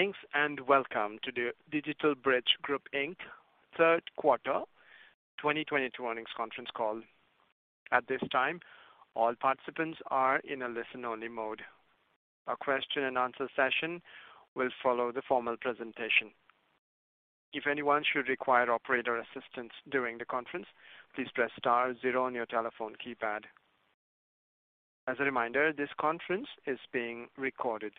Greetings, and welcome to the DigitalBridge Group, Inc. third quarter 2022 earnings conference call. At this time, all participants are in a listen-only mode. A question and answer session will follow the formal presentation. If anyone should require operator assistance during the conference, please press star zero on your telephone keypad. As a reminder, this conference is being recorded.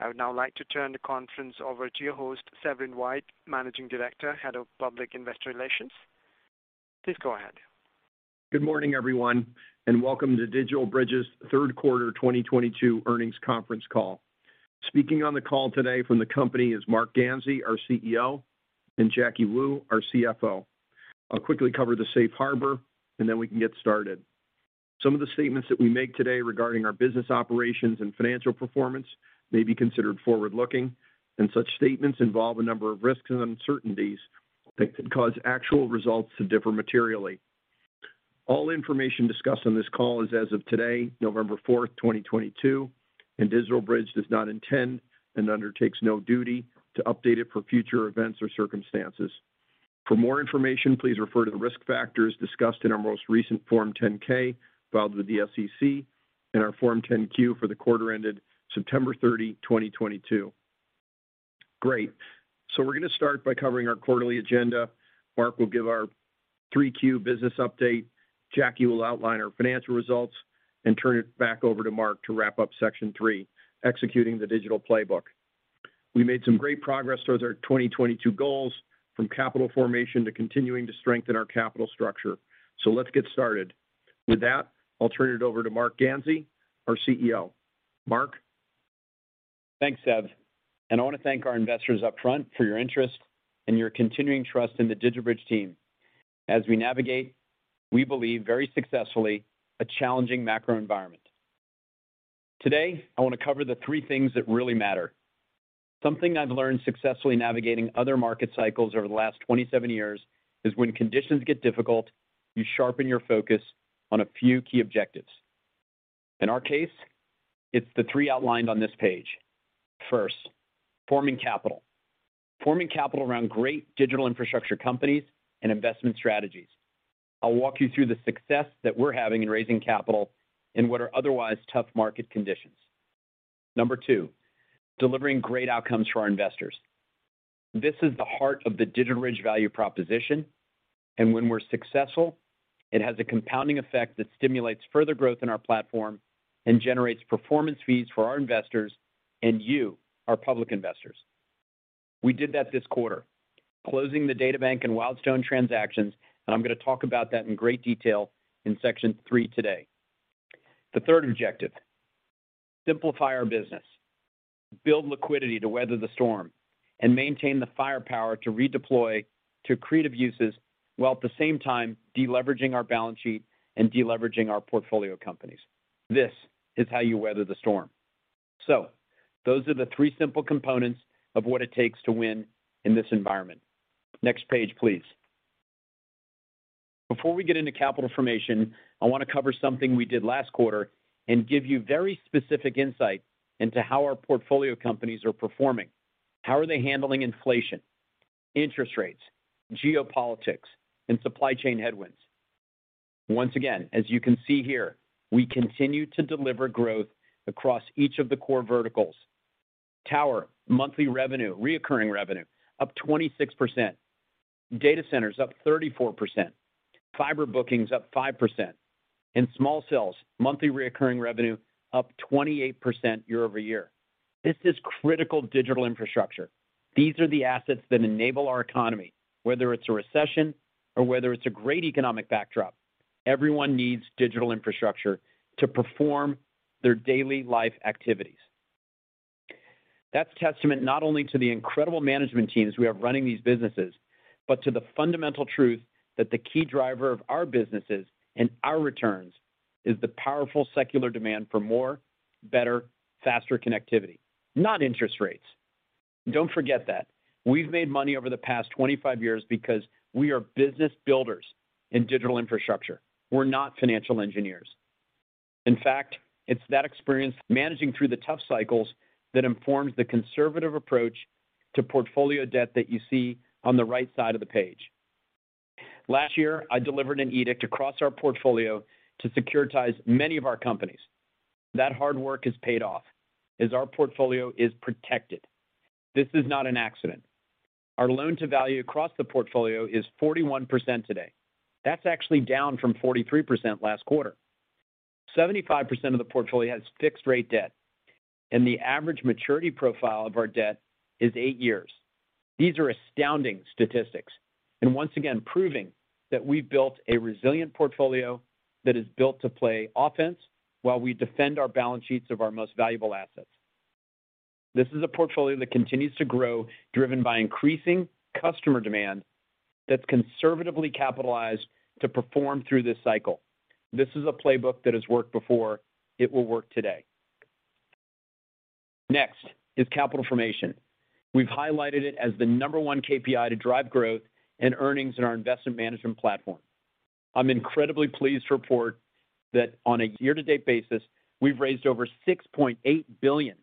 I would now like to turn the conference over to your host, Severin White, Managing Director, Head of Public Investor Relations. Please go ahead. Good morning, everyone, and welcome to DigitalBridge's third quarter 2022 earnings conference call. Speaking on the call today from the company is Marc Ganzi, our CEO, and Jacky Wu, our CFO. I'll quickly cover the safe harbor, and then we can get started. Some of the statements that we make today regarding our business operations and financial performance may be considered forward-looking, and such statements involve a number of risks and uncertainties that could cause actual results to differ materially. All information discussed on this call is as of today, November 4th, 2022, and DigitalBridge does not intend and undertakes no duty to update it for future events or circumstances. For more information, please refer to the risk factors discussed in our most recent Form 10-K filed with the SEC and our Form 10-Q for the quarter ended September 30, 2022. Great. We're gonna start by covering our quarterly agenda. Marc will give our 3Q business update. Jacky will outline our financial results and turn it back over to Marc to wrap up section three, executing the digital playbook. We made some great progress towards our 2022 goals, from capital formation to continuing to strengthen our capital structure. Let's get started. With that, I'll turn it over to Marc Ganzi, our CEO. Marc? Thanks, Sev. I wanna thank our investors up front for your interest and your continuing trust in the DigitalBridge team as we navigate, we believe, very successfully, a challenging macro environment. Today, I wanna cover the three things that really matter. Something I've learned successfully navigating other market cycles over the last 27 years is when conditions get difficult, you sharpen your focus on a few key objectives. In our case, it's the three outlined on this page. First, forming capital. Forming capital around great digital infrastructure companies and investment strategies. I'll walk you through the success that we're having in raising capital in what are otherwise tough market conditions. Number two, delivering great outcomes for our investors. This is the heart of the DigitalBridge value proposition, and when we're successful, it has a compounding effect that stimulates further growth in our platform and generates performance fees for our investors and you, our public investors. We did that this quarter, closing the DataBank and Wildstone transactions, and I'm gonna talk about that in great detail in section three today. The third objective, simplify our business. Build liquidity to weather the storm, and maintain the firepower to redeploy to creative uses while at the same time de-leveraging our balance sheet and de-leveraging our portfolio companies. This is how you weather the storm. Those are the three simple components of what it takes to win in this environment. Next page, please. Before we get into capital formation, I wanna cover something we did last quarter and give you very specific insight into how our portfolio companies are performing. How are they handling inflation, interest rates, geopolitics, and supply chain headwinds? Once again, as you can see here, we continue to deliver growth across each of the core verticals. Tower, monthly revenue, recurring revenue, up 26%. Data centers, up 34%. Fiber bookings, up 5%. In small cells, monthly recurring revenue up 28% year-over-year. This is critical digital infrastructure. These are the assets that enable our economy, whether it's a recession or whether it's a great economic backdrop. Everyone needs digital infrastructure to perform their daily life activities. That's testament not only to the incredible management teams we have running these businesses, but to the fundamental truth that the key driver of our businesses and our returns is the powerful secular demand for more, better, faster connectivity, not interest rates. Don't forget that. We've made money over the past 25 years because we are business builders in digital infrastructure. We're not financial engineers. In fact, it's that experience managing through the tough cycles that informs the conservative approach to portfolio debt that you see on the right side of the page. Last year, I delivered an edict across our portfolio to securitize many of our companies. That hard work has paid off as our portfolio is protected. This is not an accident. Our loan to value across the portfolio is 41% today. That's actually down from 43% last quarter. 75% of the portfolio has fixed rate debt, and the average maturity profile of our debt is eight years. These are astounding statistics and once again proving that we built a resilient portfolio that is built to play offense while we defend our balance sheets of our most valuable assets. This is a portfolio that continues to grow driven by increasing customer demand that's conservatively capitalized to perform through this cycle. This is a playbook that has worked before. It will work today. Next is capital formation. We've highlighted it as the number one KPI to drive growth and earnings in our investment management platform. I'm incredibly pleased to report that on a year-to-date basis, we've raised over $6.8 billion,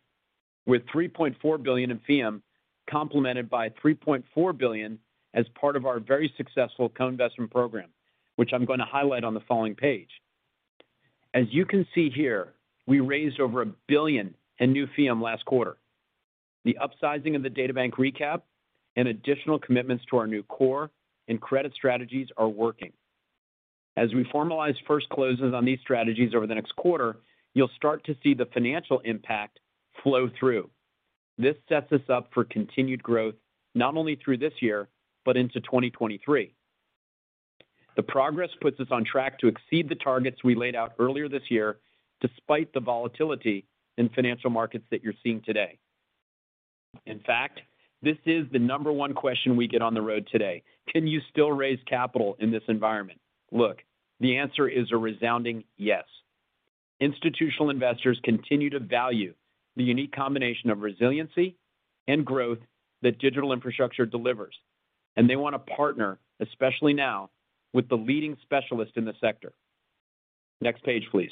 with $3.4 billion in fee income, complemented by $3.4 billion as part of our very successful co-investment program, which I'm going to highlight on the following page. As you can see here, we raised over $1 billion in new fee last quarter. The upsizing of the DataBank recap and additional commitments to our new core and credit strategies are working. As we formalize first closes on these strategies over the next quarter, you'll start to see the financial impact flow through. This sets us up for continued growth not only through this year but into 2023. The progress puts us on track to exceed the targets we laid out earlier this year, despite the volatility in financial markets that you're seeing today. In fact, this is the number one question we get on the road today. Can you still raise capital in this environment? Look, the answer is a resounding yes. Institutional investors continue to value the unique combination of resiliency and growth that digital infrastructure delivers, and they want to partner, especially now, with the leading specialist in the sector. Next page, please.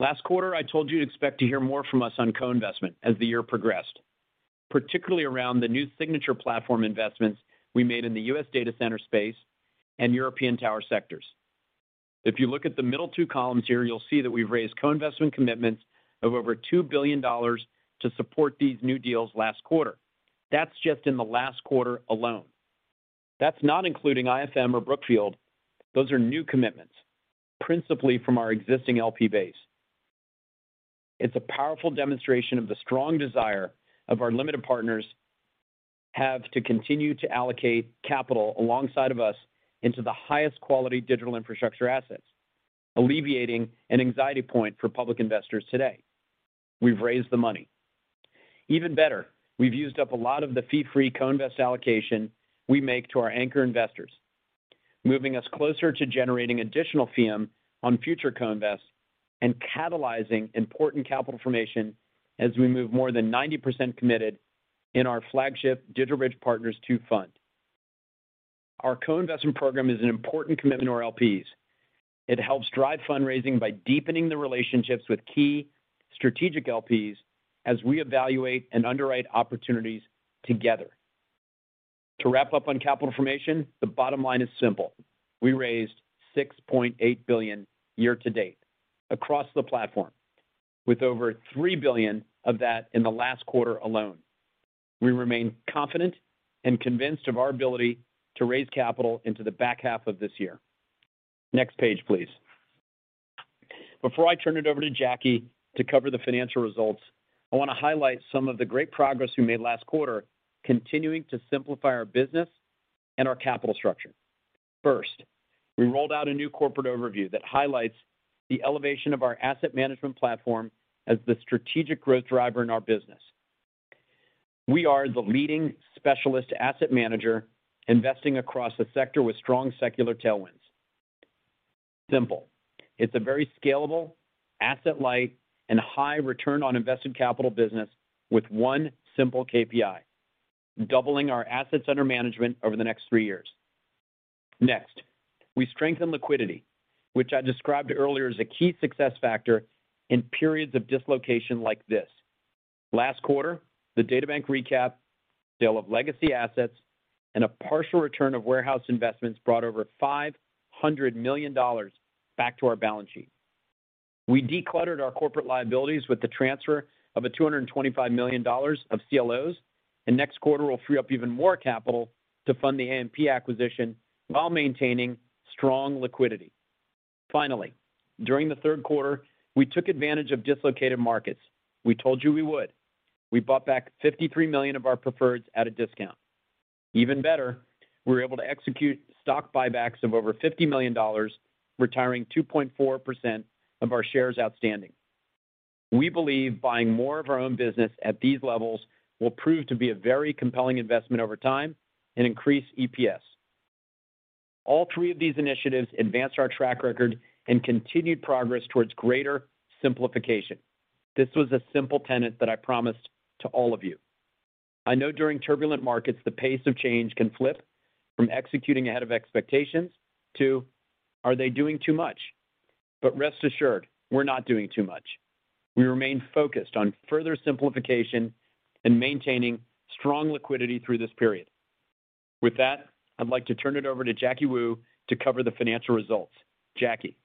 Last quarter, I told you to expect to hear more from us on co-investment as the year progressed, particularly around the new signature platform investments we made in the U.S. data center space and European tower sectors. If you look at the middle two columns here, you'll see that we've raised co-investment commitments of over $2 billion to support these new deals last quarter. That's just in the last quarter alone. That's not including IFM or Brookfield. Those are new commitments, principally from our existing LP base. It's a powerful demonstration of the strong desire of our limited partners have to continue to allocate capital alongside of us into the highest quality digital infrastructure assets, alleviating an anxiety point for public investors today. We've raised the money. Even better, we've used up a lot of the fee-free co-invest allocation we make to our anchor investors, moving us closer to generating additional fee on future co-invest and catalyzing important capital formation as we move more than 90% committed in our flagship DigitalBridge Partners II fund. Our co-investment program is an important commitment to our LPs. It helps drive fundraising by deepening the relationships with key strategic LPs as we evaluate and underwrite opportunities together. To wrap up on capital formation, the bottom line is simple. We raised $6.8 billion year-to-date across the platform, with over $3 billion of that in the last quarter alone. We remain confident and convinced of our ability to raise capital into the back half of this year. Next page, please. Before I turn it over to Jacky Wu to cover the financial results, I want to highlight some of the great progress we made last quarter, continuing to simplify our business and our capital structure. First, we rolled out a new corporate overview that highlights the elevation of our asset management platform as the strategic growth driver in our business. We are the leading specialist asset manager investing across the sector with strong secular tailwinds. Simple. It's a very scalable, asset-light, and high return on invested capital business with one simple KPI. Doubling our assets under management over the next three years. Next, we strengthen liquidity, which I described earlier as a key success factor in periods of dislocation like this. Last quarter, the DataBank recap, sale of legacy assets, and a partial return of warehouse investments brought over $500 million back to our balance sheet. We decluttered our corporate liabilities with the transfer of $225 million of CLOs, and next quarter, we'll free up even more capital to fund the AMP acquisition while maintaining strong liquidity. Finally, during the third quarter, we took advantage of dislocated markets. We told you we would. We bought back $53 million of our preferreds at a discount. Even better, we were able to execute stock buybacks of over $50 million, retiring 2.4% of our shares outstanding. We believe buying more of our own business at these levels will prove to be a very compelling investment over time and increase EPS. All three of these initiatives advanced our track record and continued progress towards greater simplification. This was a simple tenet that I promised to all of you. I know during turbulent markets, the pace of change can flip from executing ahead of expectations to, are they doing too much? Rest assured, we're not doing too much. We remain focused on further simplification and maintaining strong liquidity through this period. With that, I'd like to turn it over to Jacky Wu to cover the financial results. Jacky?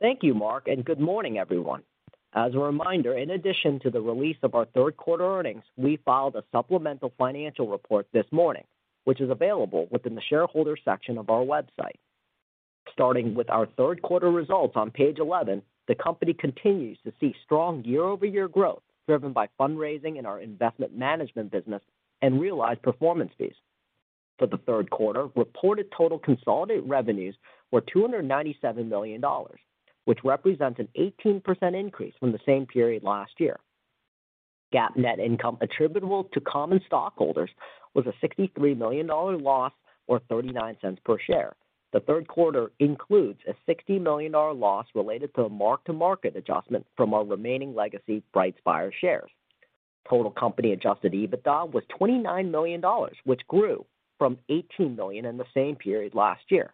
Thank you, Marc, and good morning, everyone. As a reminder, in addition to the release of our third quarter earnings, we filed a supplemental financial report this morning, which is available within the shareholder section of our website. Starting with our third quarter results on page 11, the company continues to see strong year-over-year growth driven by fundraising in our investment management business and realized performance fees. For the third quarter, reported total consolidated revenues were $297 million, which represents an 18% increase from the same period last year. GAAP net income attributable to common stockholders was a $63 million loss or $0.39 per share. The third quarter includes a $60 million loss related to a mark-to-market adjustment from our remaining legacy BrightSpire shares. Total company adjusted EBITDA was $29 million, which grew from $18 million in the same period last year.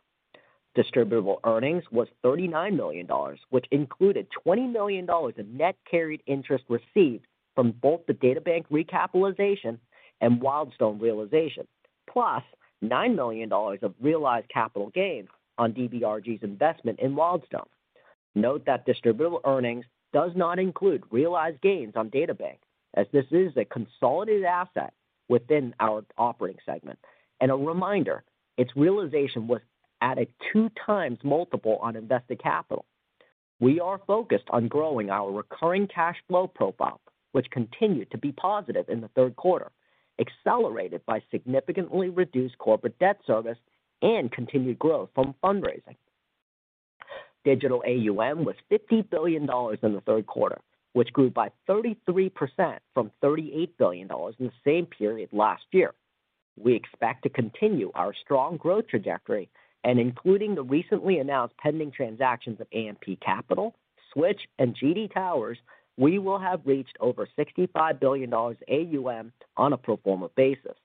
Distributable earnings was $39 million, which included $20 million of net carried interest received from both the DataBank recapitalization and Wildstone realization, plus $9 million of realized capital gains on DBRG's investment in Wildstone. Note that distributable earnings does not include realized gains on DataBank, as this is a consolidated asset within our operating segment. A reminder, its realization was at a 2x multiple on invested capital. We are focused on growing our recurring cash flow profile, which continued to be positive in the third quarter, accelerated by significantly reduced corporate debt service and continued growth from fundraising. Digital AUM was $50 billion in the third quarter, which grew by 33% from $38 billion in the same period last year. We expect to continue our strong growth trajectory, including the recently announced pending transactions of AMP Capital, Switch, and GD Towers. We will have reached over $65 billion AUM on a pro forma basis.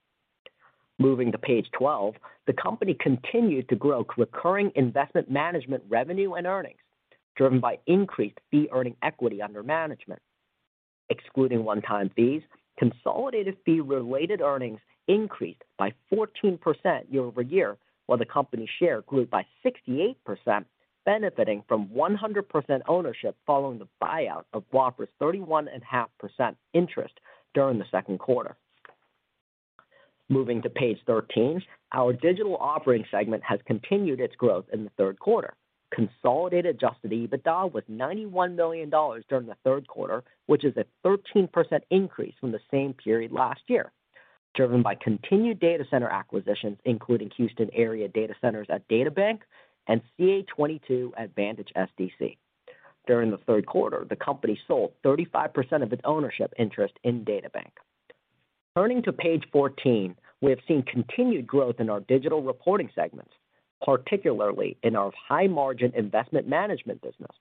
Moving to page 12, the company continued to grow recurring investment management revenue and earnings, driven by increased fee earning equity under management. Excluding one-time fees, consolidated fee-related earnings increased by 14% year-over-year, while the company's share grew by 68%, benefiting from 100% ownership following the buyout of Wafra's 31.5% interest during the second quarter. Moving to page 13. Our digital operating segment has continued its growth in the third quarter. Consolidated adjusted EBITDA was $91 million during the third quarter, which is a 13% increase from the same period last year, driven by continued data center acquisitions, including Houston area data centers at DataBank and CA22 at Vantage SDC. During the third quarter, the company sold 35% of its ownership interest in DataBank. Turning to page 14, we have seen continued growth in our digital reporting segments, particularly in our high-margin investment management business.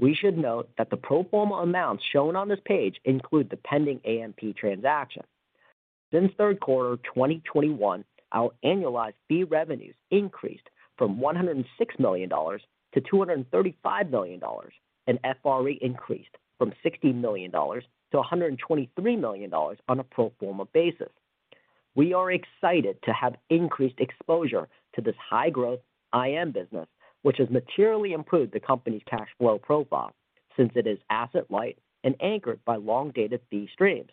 We should note that the pro forma amounts shown on this page include the pending AMP transaction. Since third quarter 2021, our annualized fee revenues increased from $106 million to $235 million, and FRE increased from $60 million to $123 million on a pro forma basis. We are excited to have increased exposure to this high-growth IM business, which has materially improved the company's cash flow profile since it is asset light and anchored by long dated fee streams.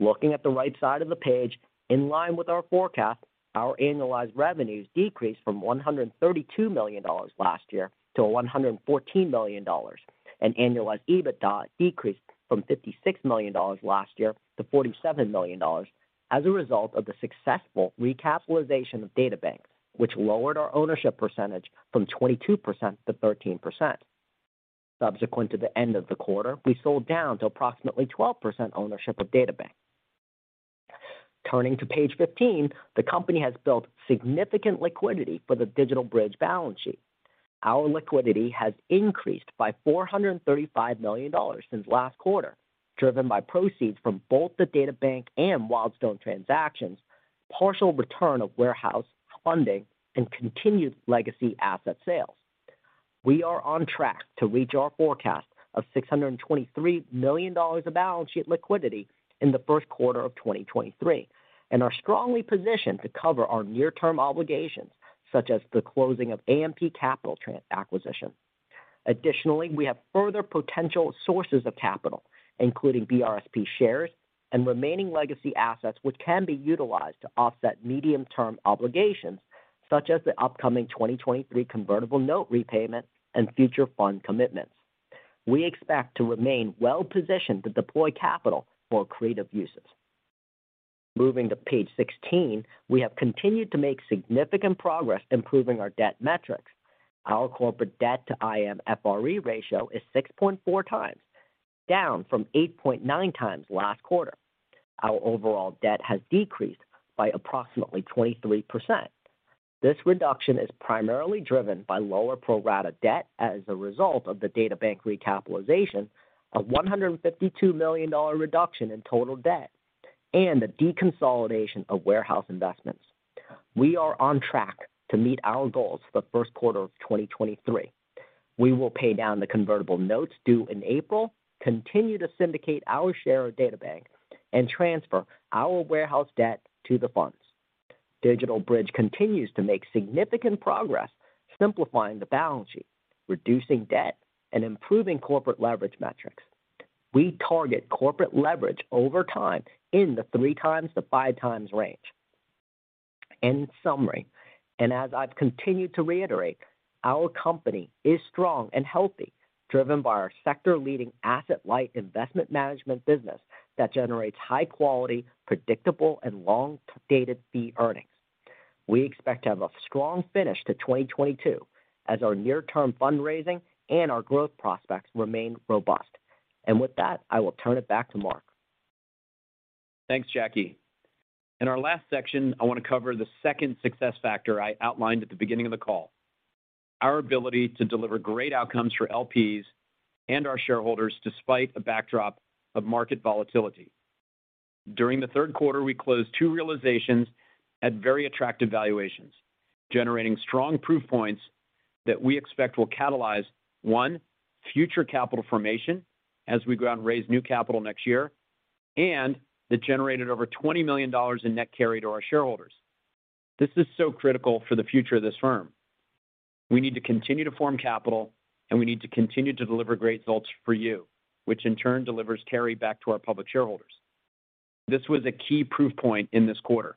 Looking at the right side of the page, in line with our forecast, our annualized revenues decreased from $132 million last year to $114 million. Annualized EBITDA decreased from $56 million last year to $47 million as a result of the successful recapitalization of DataBank, which lowered our ownership percentage from 22% to 13%. Subsequent to the end of the quarter, we sold down to approximately 12% ownership of DataBank. Turning to page 15, the company has built significant liquidity for the DigitalBridge balance sheet. Our liquidity has increased by $435 million since last quarter, driven by proceeds from both the DataBank and Wildstone transactions, partial return of warehouse funding, and continued legacy asset sales. We are on track to reach our forecast of $623 million of balance sheet liquidity in the first quarter of 2023, and are strongly positioned to cover our near-term obligations, such as the closing of AMP Capital acquisition. Additionally, we have further potential sources of capital, including BRSP shares and remaining legacy assets which can be utilized to offset medium-term obligations such as the upcoming 2023 convertible note repayment and future fund commitments. We expect to remain well-positioned to deploy capital for creative uses. Moving to page 16. We have continued to make significant progress improving our debt metrics. Our corporate debt to IM FRE ratio is 6.4x, down from 8.9x last quarter. Our overall debt has decreased by approximately 23%. This reduction is primarily driven by lower pro rata debt as a result of the DataBank recapitalization, a $152 million reduction in total debt, and the deconsolidation of warehouse investments. We are on track to meet our goals for the first quarter of 2023. We will pay down the convertible notes due in April, continue to syndicate our share of DataBank, and transfer our warehouse debt to the funds. DigitalBridge continues to make significant progress simplifying the balance sheet, reducing debt, and improving corporate leverage metrics. We target corporate leverage over time in the 3x-5x range. In summary, and as I've continued to reiterate, our company is strong and healthy, driven by our sector-leading asset-light investment management business that generates high quality, predictable, and long-dated fee earnings. We expect to have a strong finish to 2022 as our near-term fundraising and our growth prospects remain robust. With that, I will turn it back to Marc. Thanks, Jacky. In our last section, I want to cover the second success factor I outlined at the beginning of the call. Our ability to deliver great outcomes for LPs and our shareholders despite a backdrop of market volatility. During the third quarter, we closed two realizations at very attractive valuations, generating strong proof points that we expect will catalyze, one, future capital formation as we go out and raise new capital next year, and that generated over $20 million in net carry to our shareholders. This is so critical for the future of this firm. We need to continue to form capital, and we need to continue to deliver great results for you, which in turn delivers carry back to our public shareholders. This was a key proof point in this quarter.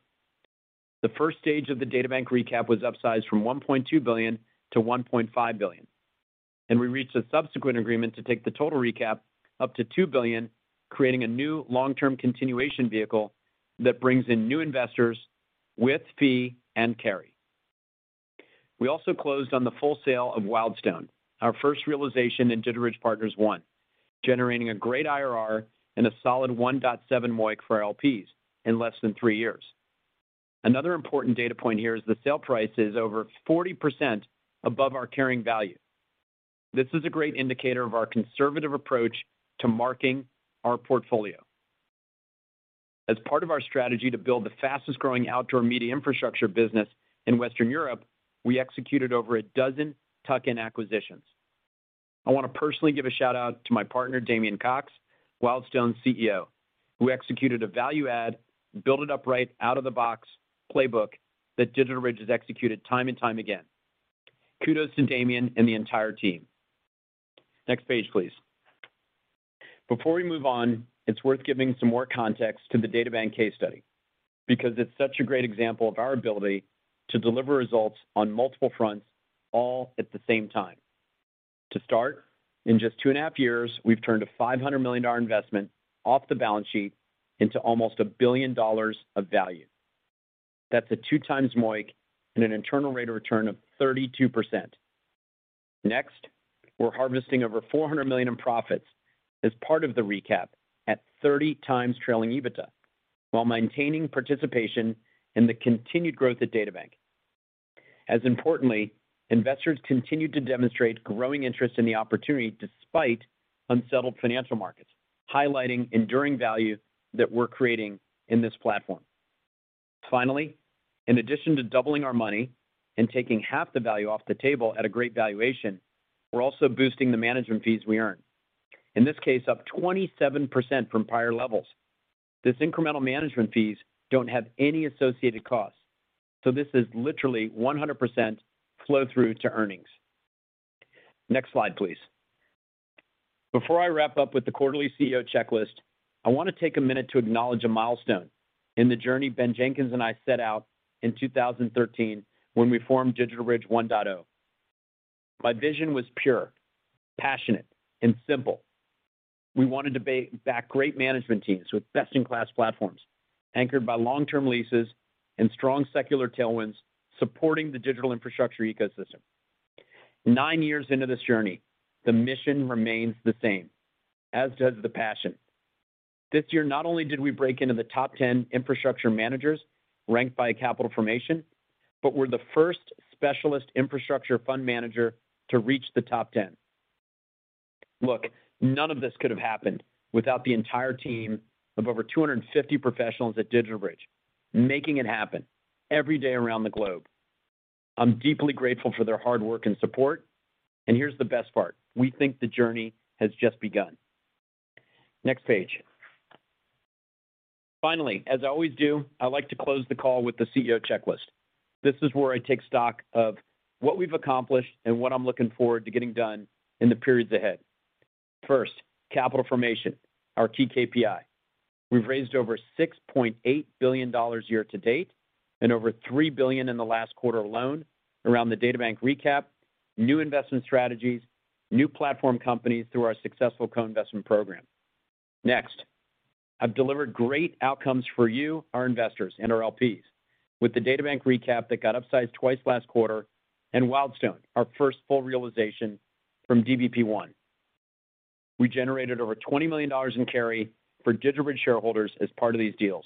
The first stage of the DataBank recap was upsized from $1.2 billion-$1.5 billion, and we reached a subsequent agreement to take the total recap up to $2 billion, creating a new long-term continuation vehicle that brings in new investors with fee and carry. We also closed on the full sale of Wildstone, our first realization in DigitalBridge Partners I, generating a great IRR and a solid 1.7x MOIC for LPs in less than three years. Another important data point here is the sale price is over 40% above our carrying value. This is a great indicator of our conservative approach to marking our portfolio. As part of our strategy to build the fastest-growing outdoor media infrastructure business in Western Europe, we executed over a dozen tuck-in acquisitions. I wanna personally give a shout-out to my partner, Damian Cox, Wildstone's CEO, who executed a value add, build it up right out of the box playbook that DigitalBridge has executed time and time again. Kudos to Damian and the entire team. Next page, please. Before we move on, it's worth giving some more context to the DataBank case study because it's such a great example of our ability to deliver results on multiple fronts all at the same time. To start, in just two and a half years, we've turned a $500 million investment off the balance sheet into almost $1 billion of value. That's a 2x MOIC and an internal rate of return of 32%. Next, we're harvesting over $400 million in profits as part of the recap at 30x trailing EBITDA while maintaining participation in the continued growth of DataBank. As importantly, investors continued to demonstrate growing interest in the opportunity despite unsettled financial markets, highlighting enduring value that we're creating in this platform. Finally, in addition to doubling our money and taking half the value off the table at a great valuation, we're also boosting the management fees we earn. In this case, up 27% from prior levels. These incremental management fees don't have any associated costs, so this is literally 100% flow through to earnings. Next slide, please. Before I wrap up with the quarterly CEO checklist, I wanna take a minute to acknowledge a milestone in the journey Ben Jenkins and I set out in 2013 when we formed DigitalBridge 1.0. My vision was pure, passionate, and simple. We wanted to back great management teams with best-in-class platforms anchored by long-term leases and strong secular tailwinds supporting the digital infrastructure ecosystem. Nine years into this journey, the mission remains the same, as does the passion. This year, not only did we break into the top 10 infrastructure managers ranked by capital formation, but we're the first specialist infrastructure fund manager to reach the top 10. Look, none of this could have happened without the entire team of over 250 professionals at DigitalBridge making it happen every day around the globe. I'm deeply grateful for their hard work and support. Here's the best part: We think the journey has just begun. Next page. Finally, as I always do, I like to close the call with the CEO checklist. This is where I take stock of what we've accomplished and what I'm looking forward to getting done in the periods ahead. First, capital formation, our key KPI. We've raised over $6.8 billion year-to-date and over $3 billion in the last quarter alone around the DataBank recap, new investment strategies, new platform companies through our successful co-investment program. Next, I've delivered great outcomes for you, our investors and our LPs, with the DataBank recap that got upsized twice last quarter and Wildstone, our first full realization from DBP I. We generated over $20 million in carry for DigitalBridge shareholders as part of these deals.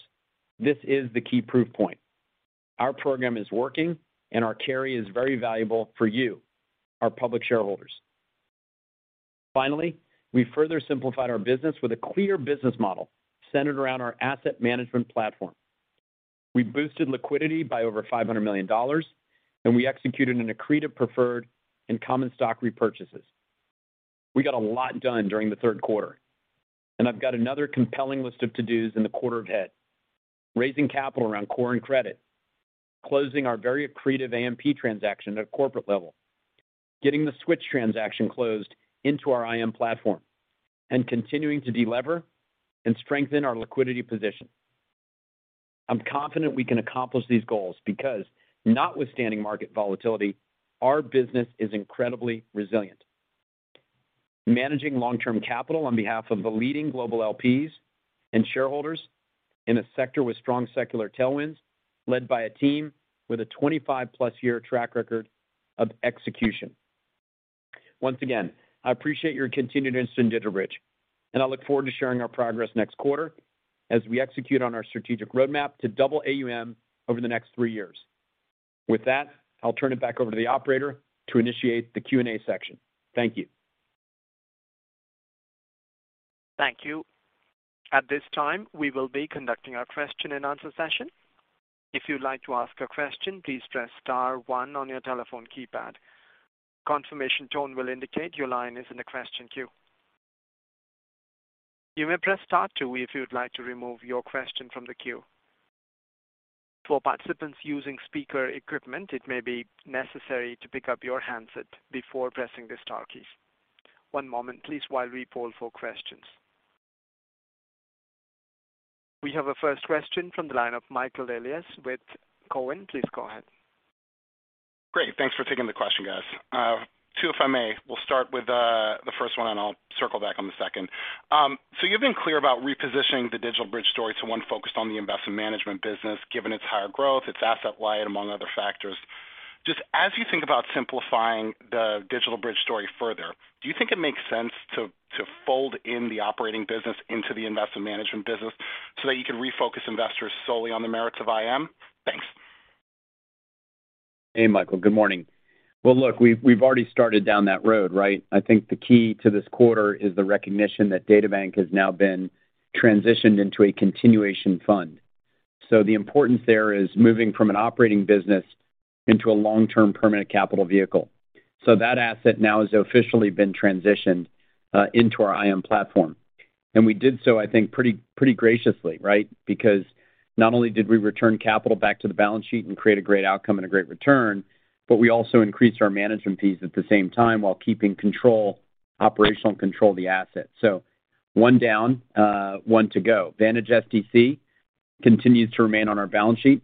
This is the key proof point. Our program is working, and our carry is very valuable for you, our public shareholders. Finally, we further simplified our business with a clear business model centered around our asset management platform. We boosted liquidity by over $500 million, and we executed an accretive preferred and common stock repurchases. We got a lot done during the third quarter, and I've got another compelling list of to-dos in the quarter ahead. Raising capital around core and credit, closing our very accretive AMP transaction at a corporate level, getting the Switch transaction closed into our IM platform, and continuing to de-lever and strengthen our liquidity position. I'm confident we can accomplish these goals because notwithstanding market volatility, our business is incredibly resilient. Managing long-term capital on behalf of the leading global LPs and shareholders in a sector with strong secular tailwinds, led by a team with a 25+-year track record of execution. Once again, I appreciate your continued interest in DigitalBridge, and I look forward to sharing our progress next quarter as we execute on our strategic roadmap to double AUM over the next three years. With that, I'll turn it back over to the operator to initiate the Q&A section. Thank you. Thank you. At this time, we will be conducting our question-and-answer session. If you'd like to ask a question, please press star one on your telephone keypad. Confirmation tone will indicate your line is in the question queue. You may press star two if you'd like to remove your question from the queue. For participants using speaker equipment, it may be necessary to pick up your handset before pressing the star key. One moment please while we poll for questions. We have a first question from the line of Michael Elias with Cowen. Please go ahead. Great. Thanks for taking the question, guys. Two, if I may. We'll start with the first one, and I'll circle back on the second. You've been clear about repositioning the DigitalBridge story to one focused on the investment management business, given its higher growth, its asset light, among other factors. Just as you think about simplifying the DigitalBridge story further, do you think it makes sense to fold in the operating business into the investment management business so that you can refocus investors solely on the merits of IM? Thanks. Hey, Michael. Good morning. Well, look, we've already started down that road, right? I think the key to this quarter is the recognition that DataBank has now been transitioned into a continuation fund. The importance there is moving from an operating business into a long-term permanent capital vehicle. That asset now has officially been transitioned into our IM platform. We did so, I think, pretty graciously, right? Because not only did we return capital back to the balance sheet and create a great outcome and a great return, but we also increased our management fees at the same time while keeping control, operational control of the asset. One down, one to go. Vantage SDC continues to remain on our balance sheet.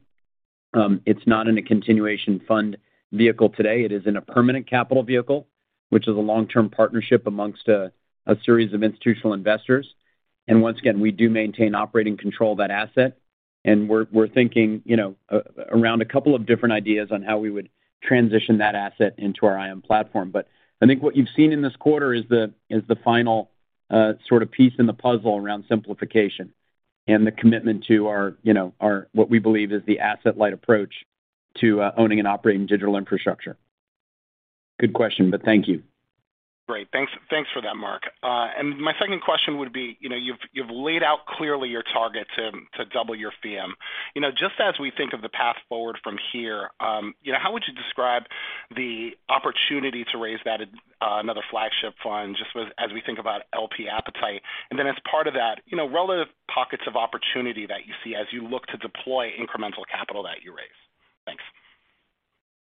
It's not in a continuation fund vehicle today. It is in a permanent capital vehicle, which is a long-term partnership among a series of institutional investors. Once again, we do maintain operating control of that asset. We're thinking, you know, around a couple of different ideas on how we would transition that asset into our IM platform. I think what you've seen in this quarter is the final sort of piece in the puzzle around simplification and the commitment to our, you know, our what we believe is the asset-light approach to owning and operating digital infrastructure. Good question, but thank you. Great. Thanks. Thanks for that, Marc. My second question would be, you know, you've laid out clearly your target to double your FM. You know, just as we think of the path forward from here, you know, how would you describe the opportunity to raise that another flagship fund just with, as we think about LP appetite? And then as part of that, you know, relative pockets of opportunity that you see as you look to deploy incremental capital that you raise. Thanks.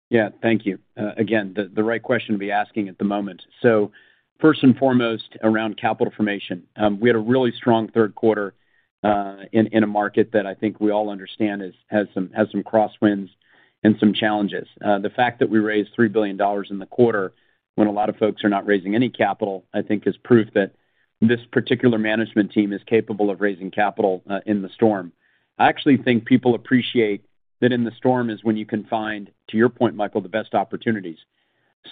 Yeah. Thank you. Again, the right question to be asking at the moment. First and foremost, around capital formation. We had a really strong third quarter in a market that I think we all understand has some crosswinds and some challenges. The fact that we raised $3 billion in the quarter when a lot of folks are not raising any capital, I think is proof that this particular management team is capable of raising capital in the storm. I actually think people appreciate that in the storm is when you can find, to your point, Michael, the best opportunities.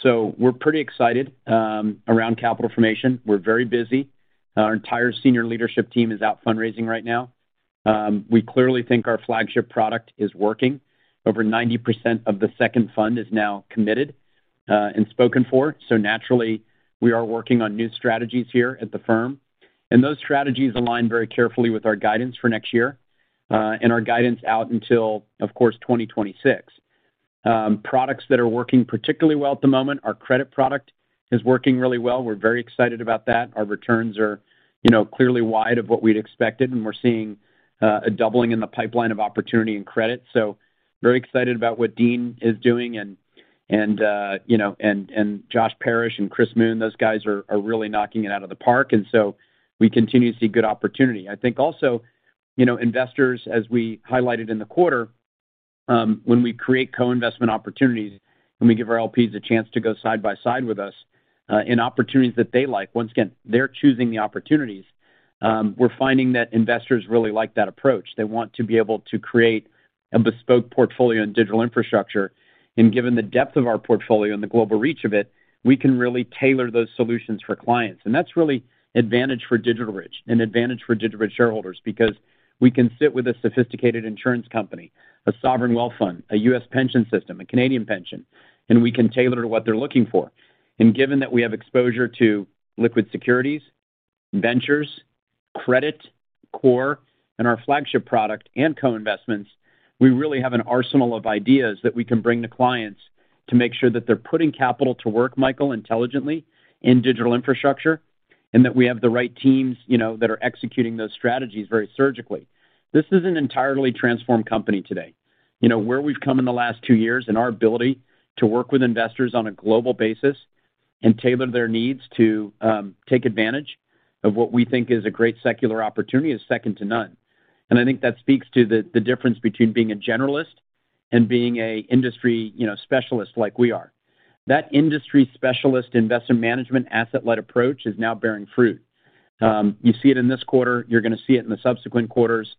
We're pretty excited around capital formation. We're very busy. Our entire senior leadership team is out fundraising right now. We clearly think our flagship product is working. Over 90% of the second fund is now committed and spoken for. We are working on new strategies here at the firm, and those strategies align very carefully with our guidance for next year and our guidance out until, of course, 2026. Products that are working particularly well at the moment, our credit product is working really well. We're very excited about that. Our returns are, you know, clearly wide of what we'd expected, and we're seeing a doubling in the pipeline of opportunity and credit. Very excited about what Dean is doing and you know and Josh Parrish and Chris Moon, those guys are really knocking it out of the park. We continue to see good opportunity. I think also, you know, investors, as we highlighted in the quarter, when we create co-investment opportunities, when we give our LPs a chance to go side by side with us, in opportunities that they like, once again, they're choosing the opportunities, we're finding that investors really like that approach. They want to be able to create a bespoke portfolio in digital infrastructure. Given the depth of our portfolio and the global reach of it, we can really tailor those solutions for clients. That's a real advantage for DigitalBridge and a real advantage for DigitalBridge shareholders because we can sit with a sophisticated insurance company, a sovereign wealth fund, a U.S. pension system, a Canadian pension, and we can tailor to what they're looking for. Given that we have exposure to liquid securities, ventures, credit, core, and our flagship product and co-investments, we really have an arsenal of ideas that we can bring to clients to make sure that they're putting capital to work, Michael, intelligently in digital infrastructure, and that we have the right teams, you know, that are executing those strategies very surgically. This is an entirely transformed company today. You know, where we've come in the last two years and our ability to work with investors on a global basis and tailor their needs to take advantage of what we think is a great secular opportunity is second to none. I think that speaks to the difference between being a generalist and being an industry, you know, specialist like we are. That industry specialist investment management asset-light approach is now bearing fruit. You see it in this quarter, you're gonna see it in the subsequent quarters.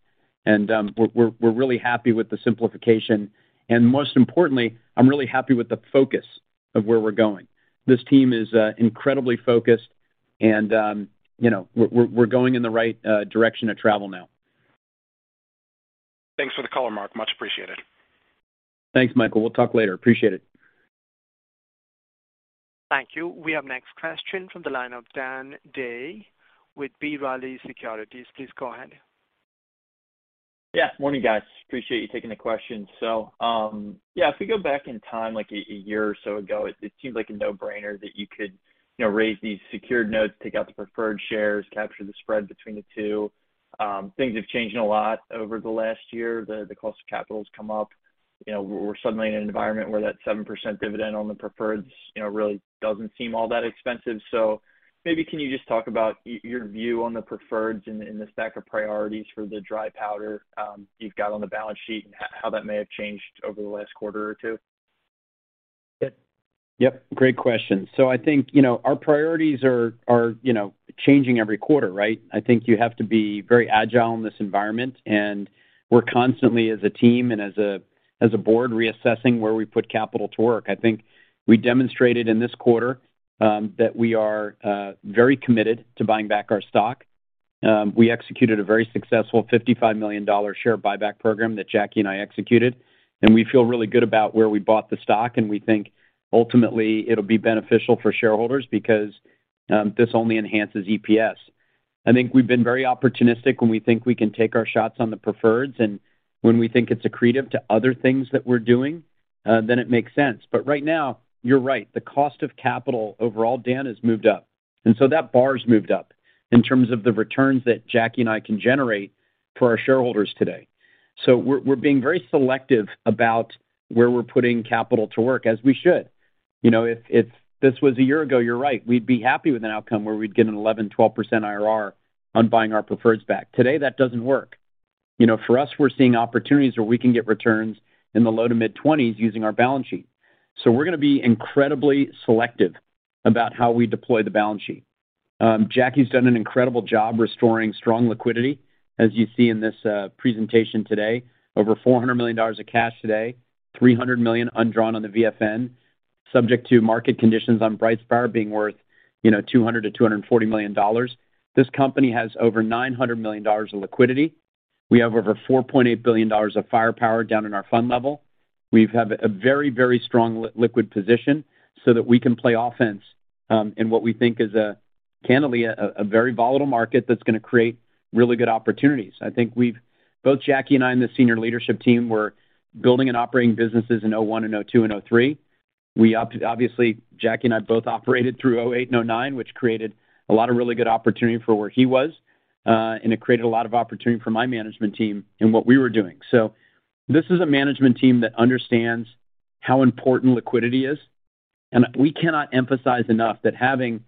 We're really happy with the simplification. Most importantly, I'm really happy with the focus of where we're going. This team is incredibly focused and, you know, we're going in the right direction to travel now. Thanks for the call, Marc. Much appreciated. Thanks, Michael. We'll talk later. Appreciate it. Thank you. We have next question from the line of Dan Day with B. Riley Securities. Please go ahead. Yeah. Morning, guys. Appreciate you taking the question. Yeah, if we go back in time, like a year or so ago, it seemed like a no-brainer that you could, you know, raise these secured notes, take out the preferred shares, capture the spread between the two. Things have changed a lot over the last year. The cost of capital's come up. You know, we're suddenly in an environment where that 7% dividend on the preferreds, you know, really doesn't seem all that expensive. Maybe can you just talk about your view on the preferreds and the stack of priorities for the dry powder you've got on the balance sheet and how that may have changed over the last quarter or two? Yep. Great question. I think, you know, our priorities are, you know, changing every quarter, right? I think you have to be very agile in this environment, and we're constantly, as a team and as a board, reassessing where we put capital to work. I think we demonstrated in this quarter that we are very committed to buying back our stock. We executed a very successful $55 million share buyback program that Jacky and I executed, and we feel really good about where we bought the stock, and we think ultimately it'll be beneficial for shareholders because this only enhances EPS. I think we've been very opportunistic when we think we can take our shots on the preferreds. When we think it's accretive to other things that we're doing, then it makes sense. Right now, you're right. The cost of capital overall, Dan, has moved up, and so that bar's moved up in terms of the returns that Jacky and I can generate for our shareholders today. We're being very selective about where we're putting capital to work, as we should. You know, if this was a year ago, you're right, we'd be happy with an outcome where we'd get an 11%-12% IRR on buying our preferreds back. Today, that doesn't work. You know, for us, we're seeing opportunities where we can get returns in the low to mid-20s% using our balance sheet. We're gonna be incredibly selective about how we deploy the balance sheet. Jacky's done an incredible job restoring strong liquidity. As you see in this presentation today, over $400 million of cash today, $300 million undrawn on the VFN, subject to market conditions on BrightSpire being worth, you know, $200 million-$240 million. This company has over $900 million in liquidity. We have over $4.8 billion of firepower down in our fund level. We have a very, very strong liquid position so that we can play offense in what we think is candidly a very volatile market that's gonna create really good opportunities. I think both Jacky and I and the senior leadership team were building and operating businesses in 2001 and 2002 and 2003. We obviously, Jacky and I both operated through 2008 and 2009, which created a lot of really good opportunity for where he was, and it created a lot of opportunity for my management team and what we were doing. This is a management team that understands how important liquidity is, and we cannot emphasize enough that having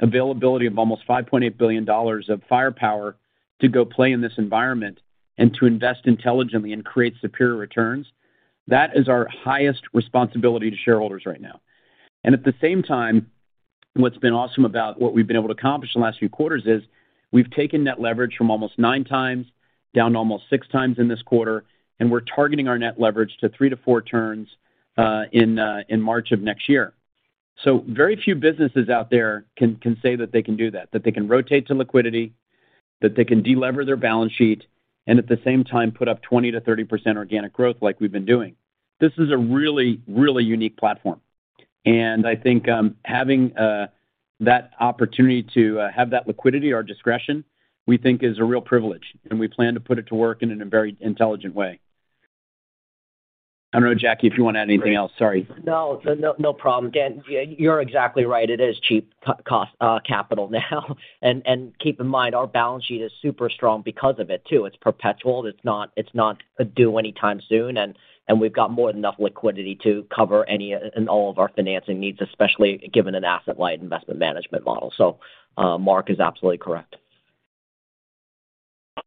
availability of almost $5.8 billion of firepower to go play in this environment and to invest intelligently and create superior returns, that is our highest responsibility to shareholders right now. At the same time, what's been awesome about what we've been able to accomplish in the last few quarters is we've taken net leverage from almost 9x down to almost 6x in this quarter, and we're targeting our net leverage to three to four turns in March of next year. Very few businesses out there can say that they can do that they can rotate to liquidity, that they can de-lever their balance sheet and at the same time put up 20%-30% organic growth like we've been doing. This is a really, really unique platform, and I think, having that opportunity to have that liquidity or discretion, we think is a real privilege, and we plan to put it to work and in a very intelligent way. I don't know, Jacky, if you wanna add anything else. Sorry. No, no problem. Dan, you're exactly right. It is cheap cost capital now. Keep in mind, our balance sheet is super strong because of it too. It's perpetual. It's not due anytime soon, and we've got more than enough liquidity to cover any and all of our financing needs, especially given an asset-light investment management model. Marc is absolutely correct.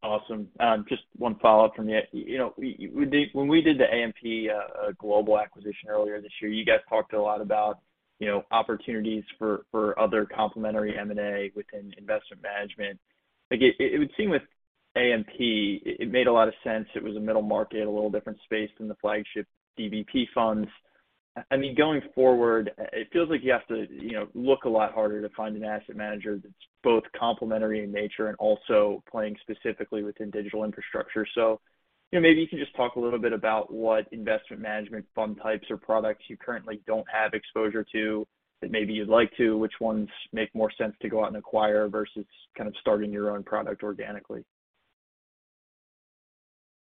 Awesome. Just one follow-up from me. You know, when we did the AMP global acquisition earlier this year, you guys talked a lot about, you know, opportunities for other complementary M&A within investment management. Like, it would seem with AMP, it made a lot of sense. It was a middle market, a little different space than the flagship DVP funds. I mean, going forward, it feels like you have to, you know, look a lot harder to find an asset manager that's both complementary in nature and also playing specifically within digital infrastructure. So, you know, maybe you can just talk a little bit about what investment management fund types or products you currently don't have exposure to that maybe you'd like to, which ones make more sense to go out and acquire versus kind of starting your own product organically.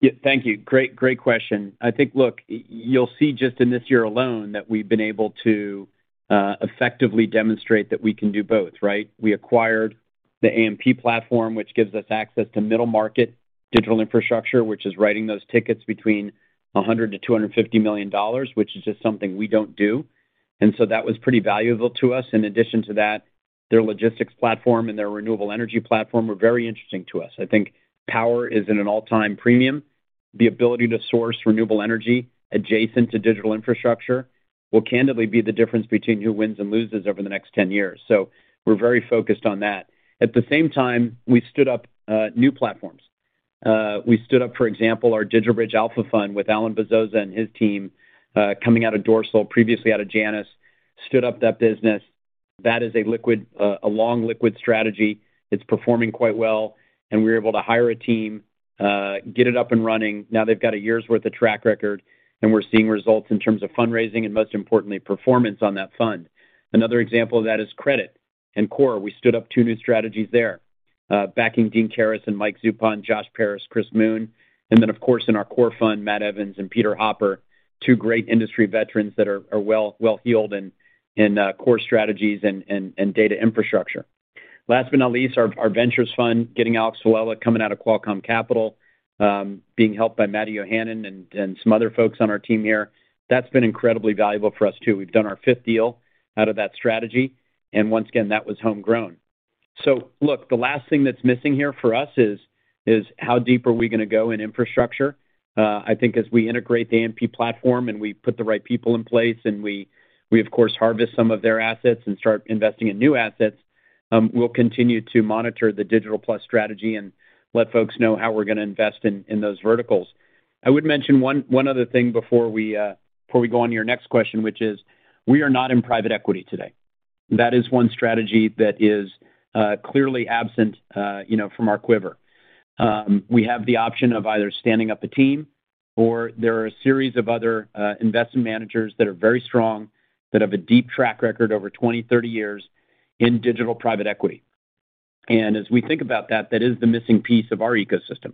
Yeah. Thank you. Great question. I think, look, you'll see just in this year alone that we've been able to effectively demonstrate that we can do both, right? We acquired the AMP platform, which gives us access to middle market digital infrastructure, which is writing those tickets between $100 million-$250 million, which is just something we don't do. That was pretty valuable to us. In addition to that, their logistics platform and their renewable energy platform were very interesting to us. I think power is at an all-time premium. The ability to source renewable energy adjacent to digital infrastructure will candidly be the difference between who wins and loses over the next 10 years. We're very focused on that. At the same time, we stood up new platforms. We stood up, for example, our DigitalBridge Alpha Fund with Alan Bezoza and his team, coming out of Dorsal, previously out of Janus, stood up that business. That is a long liquid strategy. It's performing quite well, and we were able to hire a team, get it up and running. Now they've got a year's worth of track record, and we're seeing results in terms of fundraising and, most importantly, performance on that fund. Another example of that is credit and core. We stood up two new strategies there, backing Dean Criares and Mike Zupon, Josh Parrish, Chris Moon, and then, of course, in our core fund, Matt Evans and Peter Hopper, two great industry veterans that are well-heeled in core strategies and data infrastructure. Last but not least, our ventures fund, getting Alex Olela coming out of Qualcomm Capital, being helped by Matt O'Hannon and some other folks on our team here. That's been incredibly valuable for us, too. We've done our fifth deal out of that strategy, and once again, that was homegrown. Look, the last thing that's missing here for us is how deep are we gonna go in infrastructure? I think as we integrate the AMP platform and we put the right people in place, and we of course harvest some of their assets and start investing in new assets, we'll continue to monitor the digital plus strategy and let folks know how we're gonna invest in those verticals. I would mention one other thing before we go on to your next question, which is we are not in private equity today. That is one strategy that is clearly absent, you know, from our quiver. We have the option of either standing up a team or there are a series of other investment managers that are very strong, that have a deep track record over 20, 30 years in digital private equity. As we think about that is the missing piece of our ecosystem.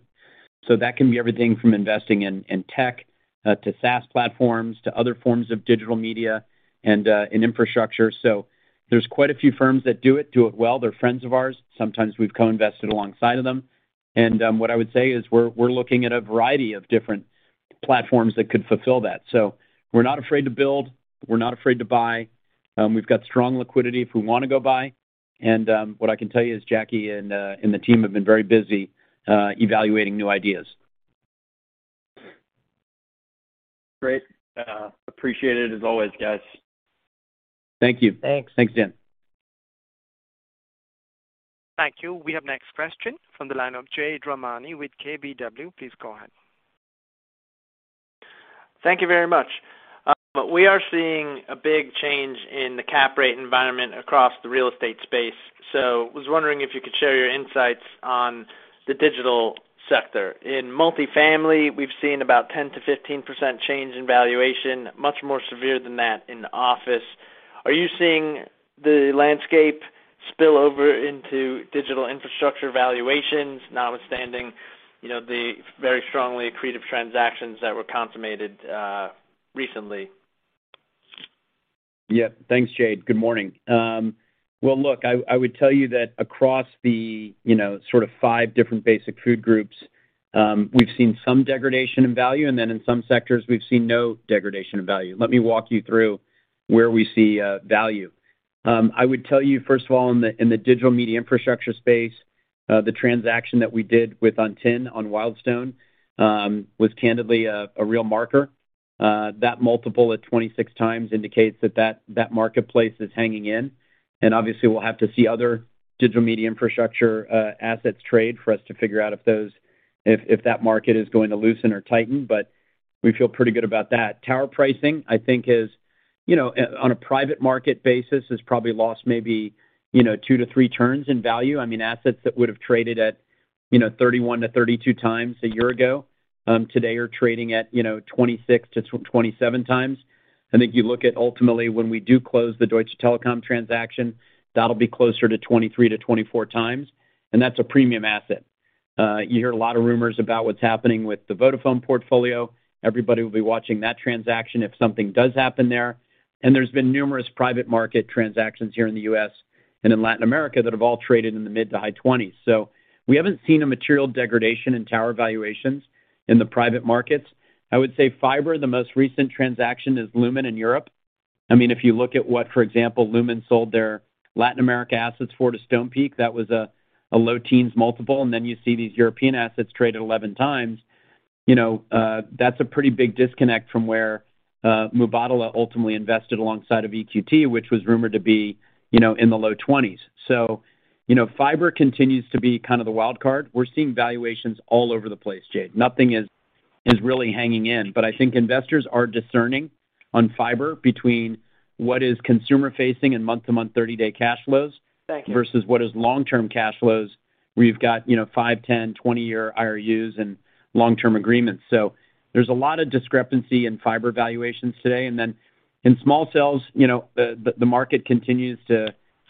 That can be everything from investing in tech to SaaS platforms, to other forms of digital media and in infrastructure. There's quite a few firms that do it well. They're friends of ours. Sometimes we've co-invested alongside of them. What I would say is we're looking at a variety of different platforms that could fulfill that. We're not afraid to build, we're not afraid to buy, we've got strong liquidity if we wanna go buy. What I can tell you is Jacky and the team have been very busy evaluating new ideas. Great. Appreciate it as always, guys. Thank you. Thanks. Thanks, Dan. Thank you. We have next question from the line of Jade Rahmani with KBW. Please go ahead. Thank you very much. We are seeing a big change in the cap rate environment across the real estate space, so was wondering if you could share your insights on the digital sector. In multifamily, we've seen about 10%-15% change in valuation, much more severe than that in office. Are you seeing the landscape spill over into digital infrastructure valuations, notwithstanding, you know, the very strongly accretive transactions that were consummated, recently? Yeah. Thanks, Jade. Good morning. Well, look, I would tell you that across the, you know, sort of five different basic food groups, we've seen some degradation in value, and then in some sectors we've seen no degradation of value. Let me walk you through where we see value. I would tell you, first of all, in the digital media infrastructure space, the transaction that we did with Antin on Wildstone was candidly a real marker. That multiple at 26x indicates that marketplace is hanging in. Obviously, we'll have to see other digital media infrastructure assets trade for us to figure out if that market is going to loosen or tighten. We feel pretty good about that. Tower pricing, I think is, you know, on a private market basis, has probably lost maybe, you know, two to three turns in value. I mean, assets that would have traded at, you know, 31x-32x a year ago, today are trading at, you know, 26x-27x. I think you look at ultimately when we do close the Deutsche Telekom transaction, that'll be closer to 23x-24x, and that's a premium asset. You hear a lot of rumors about what's happening with the Vodafone portfolio. Everybody will be watching that transaction if something does happen there. There's been numerous private market transactions here in the U.S. and in Latin America that have all traded in the mid- to high 20s. We haven't seen a material degradation in tower valuations in the private markets. I would say fiber, the most recent transaction is Lumen in Europe. I mean, if you look at what, for example, Lumen sold their Latin America assets for to Stonepeak, that was a low-teens multiple, and then you see these European assets trade at 11x. You know, that's a pretty big disconnect from where Mubadala ultimately invested alongside of EQT, which was rumored to be, you know, in the low 20s. You know, fiber continues to be kind of the wild card. We're seeing valuations all over the place, Jade. Nothing is really hanging in, but I think investors are discerning on fiber between what is consumer-facing and month-to-month 30-day cash flows. Thank you. versus what is long-term cash flows, where you've got, you know, five-, 10-, 20-year IRUs and long-term agreements. There's a lot of discrepancy in fiber valuations today. Then in small cells, you know, the market continues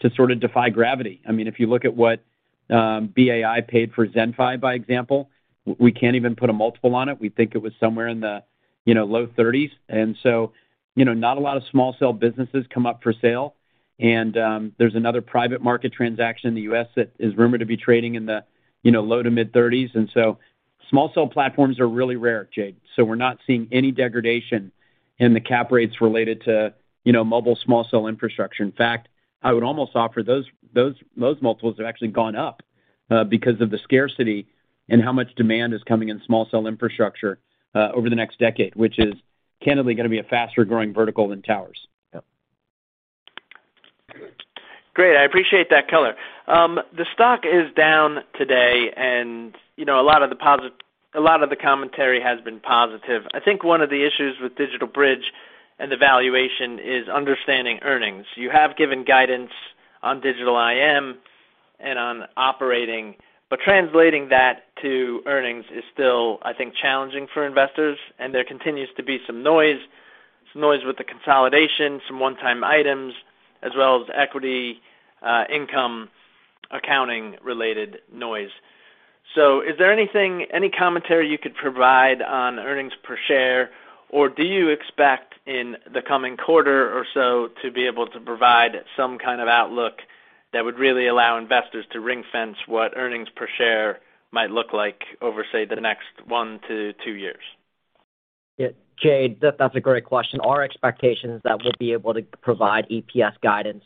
to sort of defy gravity. I mean, if you look at what BAI paid for ZenFi, for example, we can't even put a multiple on it. We think it was somewhere in the, you know, low 30s. Not a lot of small cell businesses come up for sale. There's another private market transaction in the U.S. that is rumored to be trading in the, you know, low-to-mid 30s. Small cell platforms are really rare, Jade. We're not seeing any degradation in the cap rates related to, you know, mobile small cell infrastructure. In fact, I would almost offer those multiples have actually gone up because of the scarcity and how much demand is coming in small cell infrastructure over the next decade, which is candidly gonna be a faster-growing vertical than towers. Yep. Great. I appreciate that color. The stock is down today, and you know, a lot of the commentary has been positive. I think one of the issues with DigitalBridge and the valuation is understanding earnings. You have given guidance on digital IM and on operating, but translating that to earnings is still, I think, challenging for investors, and there continues to be some noise with the consolidation, some one-time items, as well as equity, income accounting-related noise. Is there anything, any commentary you could provide on earnings per share? Or do you expect in the coming quarter or so to be able to provide some kind of outlook that would really allow investors to ring-fence what earnings per share might look like over, say, the next one to two years? Yeah. Jade, that's a great question. Our expectation is that we'll be able to provide EPS guidance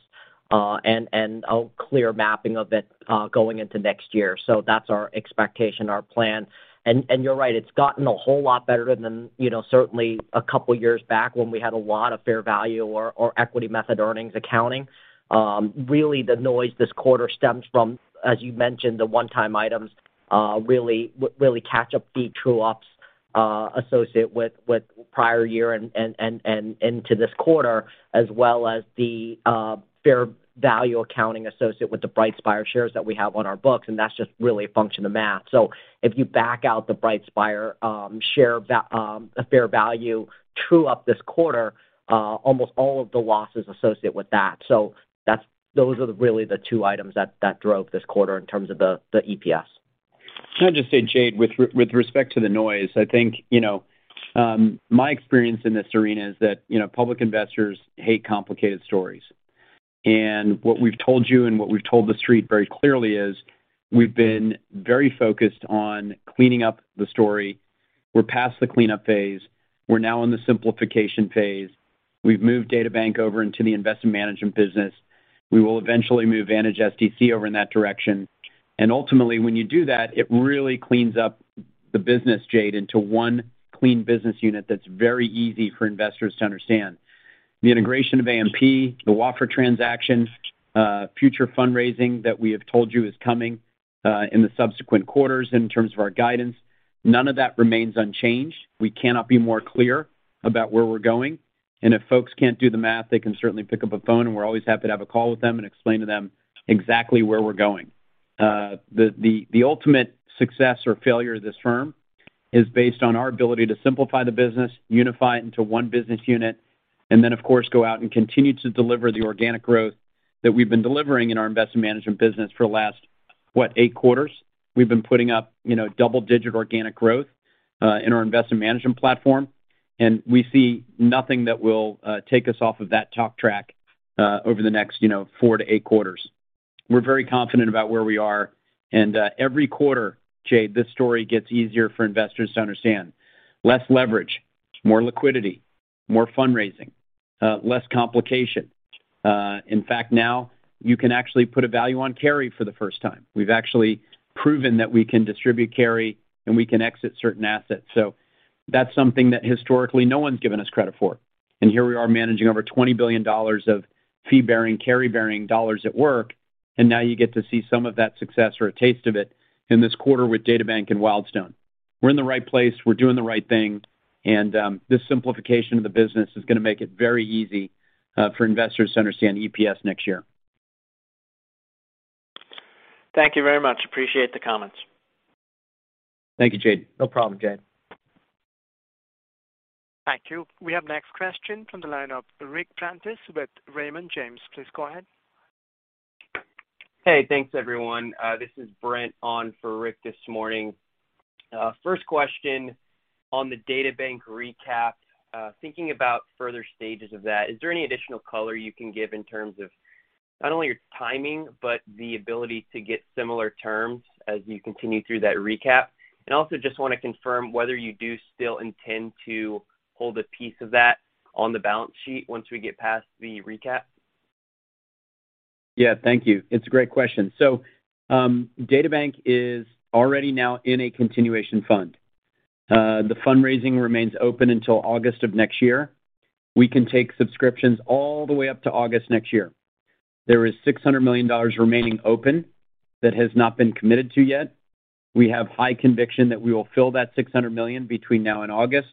and a clear mapping of it going into next year. That's our expectation, our plan. You're right, it's gotten a whole lot better than, you know, certainly a couple years back when we had a lot of fair value or equity method earnings accounting. Really the noise this quarter stems from, as you mentioned, the one-time items, really catch-up true-ups associated with prior year and into this quarter, as well as the fair value accounting associated with the BrightSpire shares that we have on our books, and that's just really a function of math. If you back out the BrightSpire, the fair value true-up this quarter, almost all of the loss is associated with that. Those are really the two items that drove this quarter in terms of the EPS. Can I just say, Jade, with respect to the noise, I think, you know, my experience in this arena is that, you know, public investors hate complicated stories. What we've told you and what we've told the Street very clearly is we've been very focused on cleaning up the story. We're past the cleanup phase. We're now in the simplification phase. We've moved DataBank over into the investment management business. We will eventually move Vantage SDC over in that direction. Ultimately, when you do that, it really cleans up the business, Jade, into one clean business unit that's very easy for investors to understand. The integration of AMP, the Wafra transaction, future fundraising that we have told you is coming, in the subsequent quarters in terms of our guidance, none of that remains unchanged. We cannot be more clear about where we're going. If folks can't do the math, they can certainly pick up a phone, and we're always happy to have a call with them and explain to them exactly where we're going. The ultimate success or failure of this firm is based on our ability to simplify the business, unify it into one business unit, and then, of course, go out and continue to deliver the organic growth that we've been delivering in our investment management business for the last, what, eight quarters. We've been putting up, you know, double-digit organic growth in our investment management platform, and we see nothing that will take us off of that talk track over the next, you know, four to eight quarters. We're very confident about where we are. Every quarter, Jade, this story gets easier for investors to understand. Less leverage, more liquidity, more fundraising, less complication. In fact, now you can actually put a value on carry for the first time. We've actually proven that we can distribute carry, and we can exit certain assets. That's something that historically no one's given us credit for. Here we are managing over $20 billion of fee-bearing, carry-bearing dollars at work, and now you get to see some of that success or a taste of it in this quarter with DataBank and Wildstone. We're in the right place. We're doing the right thing. This simplification of the business is gonna make it very easy for investors to understand EPS next year. Thank you very much. Appreciate the comments. Thank you, Jade. No problem, Jade. Thank you. We have next question from the line of Ric Prentiss with Raymond James. Please go ahead. Thanks, everyone. This is Brent on for Ric this morning. First question on the DataBank recap. Thinking about further stages of that, is there any additional color you can give in terms of not only your timing but the ability to get similar terms as you continue through that recap? Also just wanna confirm whether you do still intend to hold a piece of that on the balance sheet once we get past the recap. Yeah. Thank you. It's a great question. DataBank is already now in a continuation fund. The fundraising remains open until August of next year. We can take subscriptions all the way up to August next year. There is $600 million remaining open that has not been committed to yet. We have high conviction that we will fill that $600 million between now and August.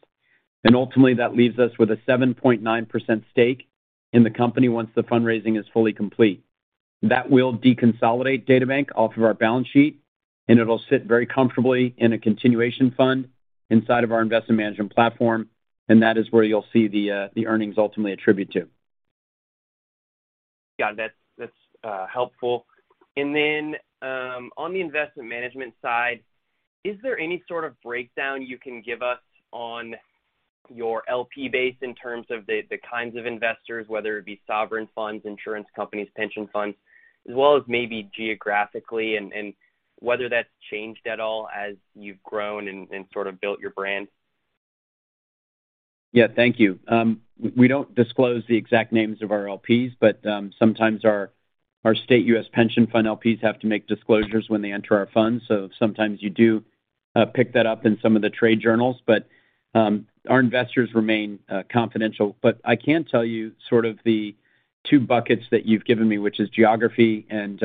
Ultimately, that leaves us with a 7.9% stake in the company once the fundraising is fully complete. That will deconsolidate DataBank off of our balance sheet, and it'll sit very comfortably in a continuation fund inside of our investment management platform, and that is where you'll see the earnings ultimately attribute to. Yeah. That's helpful. On the investment management side, is there any sort of breakdown you can give us on your LP base in terms of the kinds of investors, whether it be sovereign funds, insurance companies, pension funds, as well as maybe geographically and whether that's changed at all as you've grown and sort of built your brand? Yeah. Thank you. We don't disclose the exact names of our LPs, but sometimes our state U.S. pension fund LPs have to make disclosures when they enter our funds. Sometimes you do pick that up in some of the trade journals. Our investors remain confidential. I can tell you sort of the two buckets that you've given me, which is geography and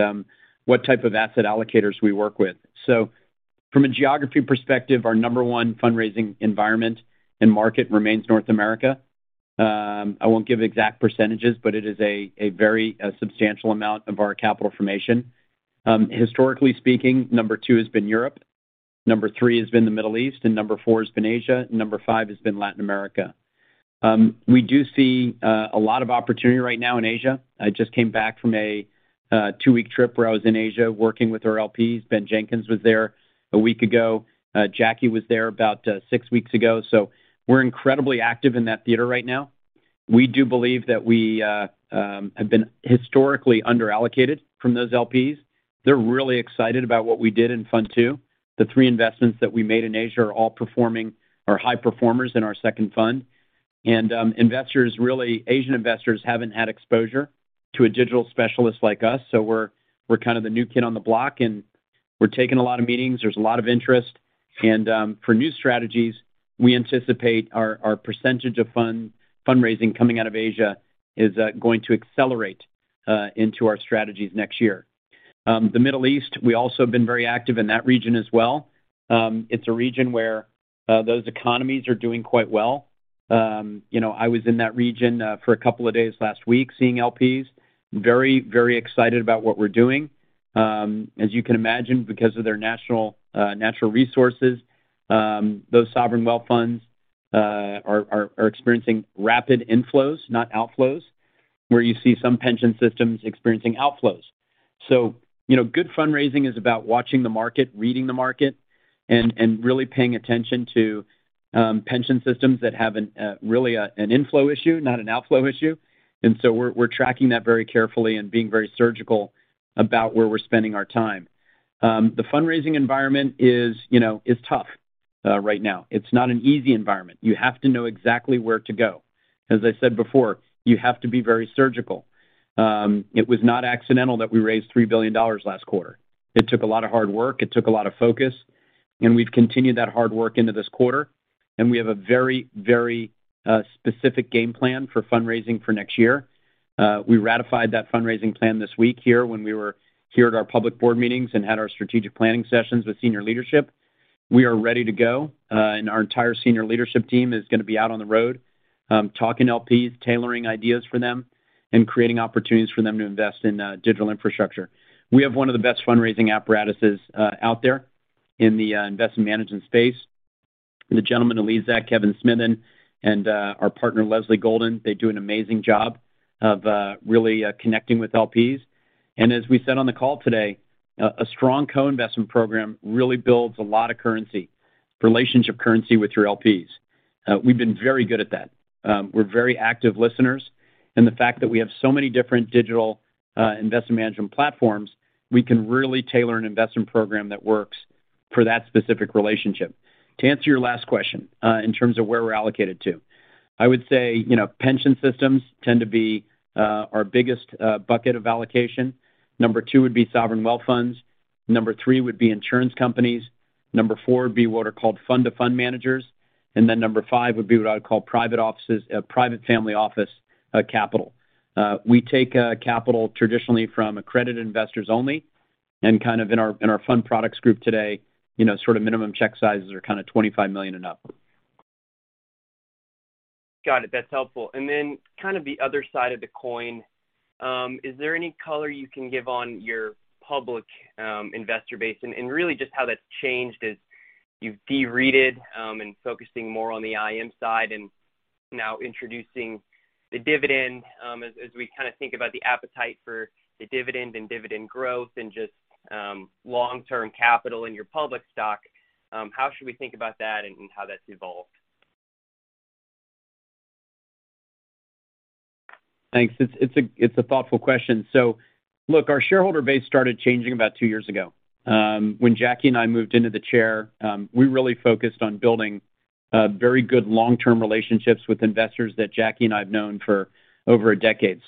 what type of asset allocators we work with. From a geography perspective, our number one fundraising environment and market remains North America. I won't give exact percentages, but it is a very substantial amount of our capital formation. Historically speaking, number two has been Europe, number three has been the Middle East, and number four has been Asia, number five has been Latin America. We do see a lot of opportunity right now in Asia. I just came back from a two-week trip where I was in Asia working with our LPs. Ben Jenkins was there a week ago. Jacky Wu was there about six weeks ago. We're incredibly active in that theater right now. We do believe that we have been historically under-allocated from those LPs. They're really excited about what we did in fund two. The three investments that we made in Asia are all performing or high performers in our second fund. Asian investors haven't had exposure to a digital specialist like us, so we're kind of the new kid on the block, and we're taking a lot of meetings. There's a lot of interest. For new strategies, we anticipate our percentage of fund fundraising coming out of Asia is going to accelerate into our strategies next year. The Middle East, we also have been very active in that region as well. It's a region where those economies are doing quite well. You know, I was in that region for a couple of days last week seeing LPs. Very, very excited about what we're doing. As you can imagine, because of their natural resources, those sovereign wealth funds are experiencing rapid inflows, not outflows, where you see some pension systems experiencing outflows. You know, good fundraising is about watching the market, reading the market, and really paying attention to pension systems that have an inflow issue, not an outflow issue. We're tracking that very carefully and being very surgical about where we're spending our time. The fundraising environment is, you know, is tough right now. It's not an easy environment. You have to know exactly where to go. As I said before, you have to be very surgical. It was not accidental that we raised $3 billion last quarter. It took a lot of hard work. It took a lot of focus, and we've continued that hard work into this quarter, and we have a very specific game plan for fundraising for next year. We ratified that fundraising plan this week here when we were here at our public board meetings and had our strategic planning sessions with senior leadership. We are ready to go, and our entire senior leadership team is gonna be out on the road, talking to LPs, tailoring ideas for them, and creating opportunities for them to invest in, digital infrastructure. We have one of the best fundraising apparatuses, out there in the, investment management space. The gentleman who leads that, Kevin Smithen, and, our partner, Leslie Golden, they do an amazing job of, really, connecting with LPs. As we said on the call today, a strong co-investment program really builds a lot of currency, relationship currency with your LPs. We've been very good at that. We're very active listeners, and the fact that we have so many different digital, investment management platforms, we can really tailor an investment program that works for that specific relationship. To answer your last question, in terms of where we're allocated to, I would say, you know, pension systems tend to be our biggest bucket of allocation. Number two would be sovereign wealth funds. Number three would be insurance companies. Number four would be what are called fund-to-fund managers. Number five would be what I would call private offices, private family office capital. We take capital traditionally from accredited investors only and kind of in our fund products group today, you know, sort of minimum check sizes are kinda $25 million and up. Got it. That's helpful. Then kind of the other side of the coin, is there any color you can give on your public investor base and really just how that's changed as you've de-REITed, and focusing more on the IM side and now introducing the dividend, as we kinda think about the appetite for the dividend and dividend growth and just long-term capital in your public stock, how should we think about that and how that's evolved? Thanks. It's a thoughtful question. Look, our shareholder base started changing about two years ago. When Jacky and I moved into the chair, we really focused on building very good long-term relationships with investors that Jacky and I have known for over a decade.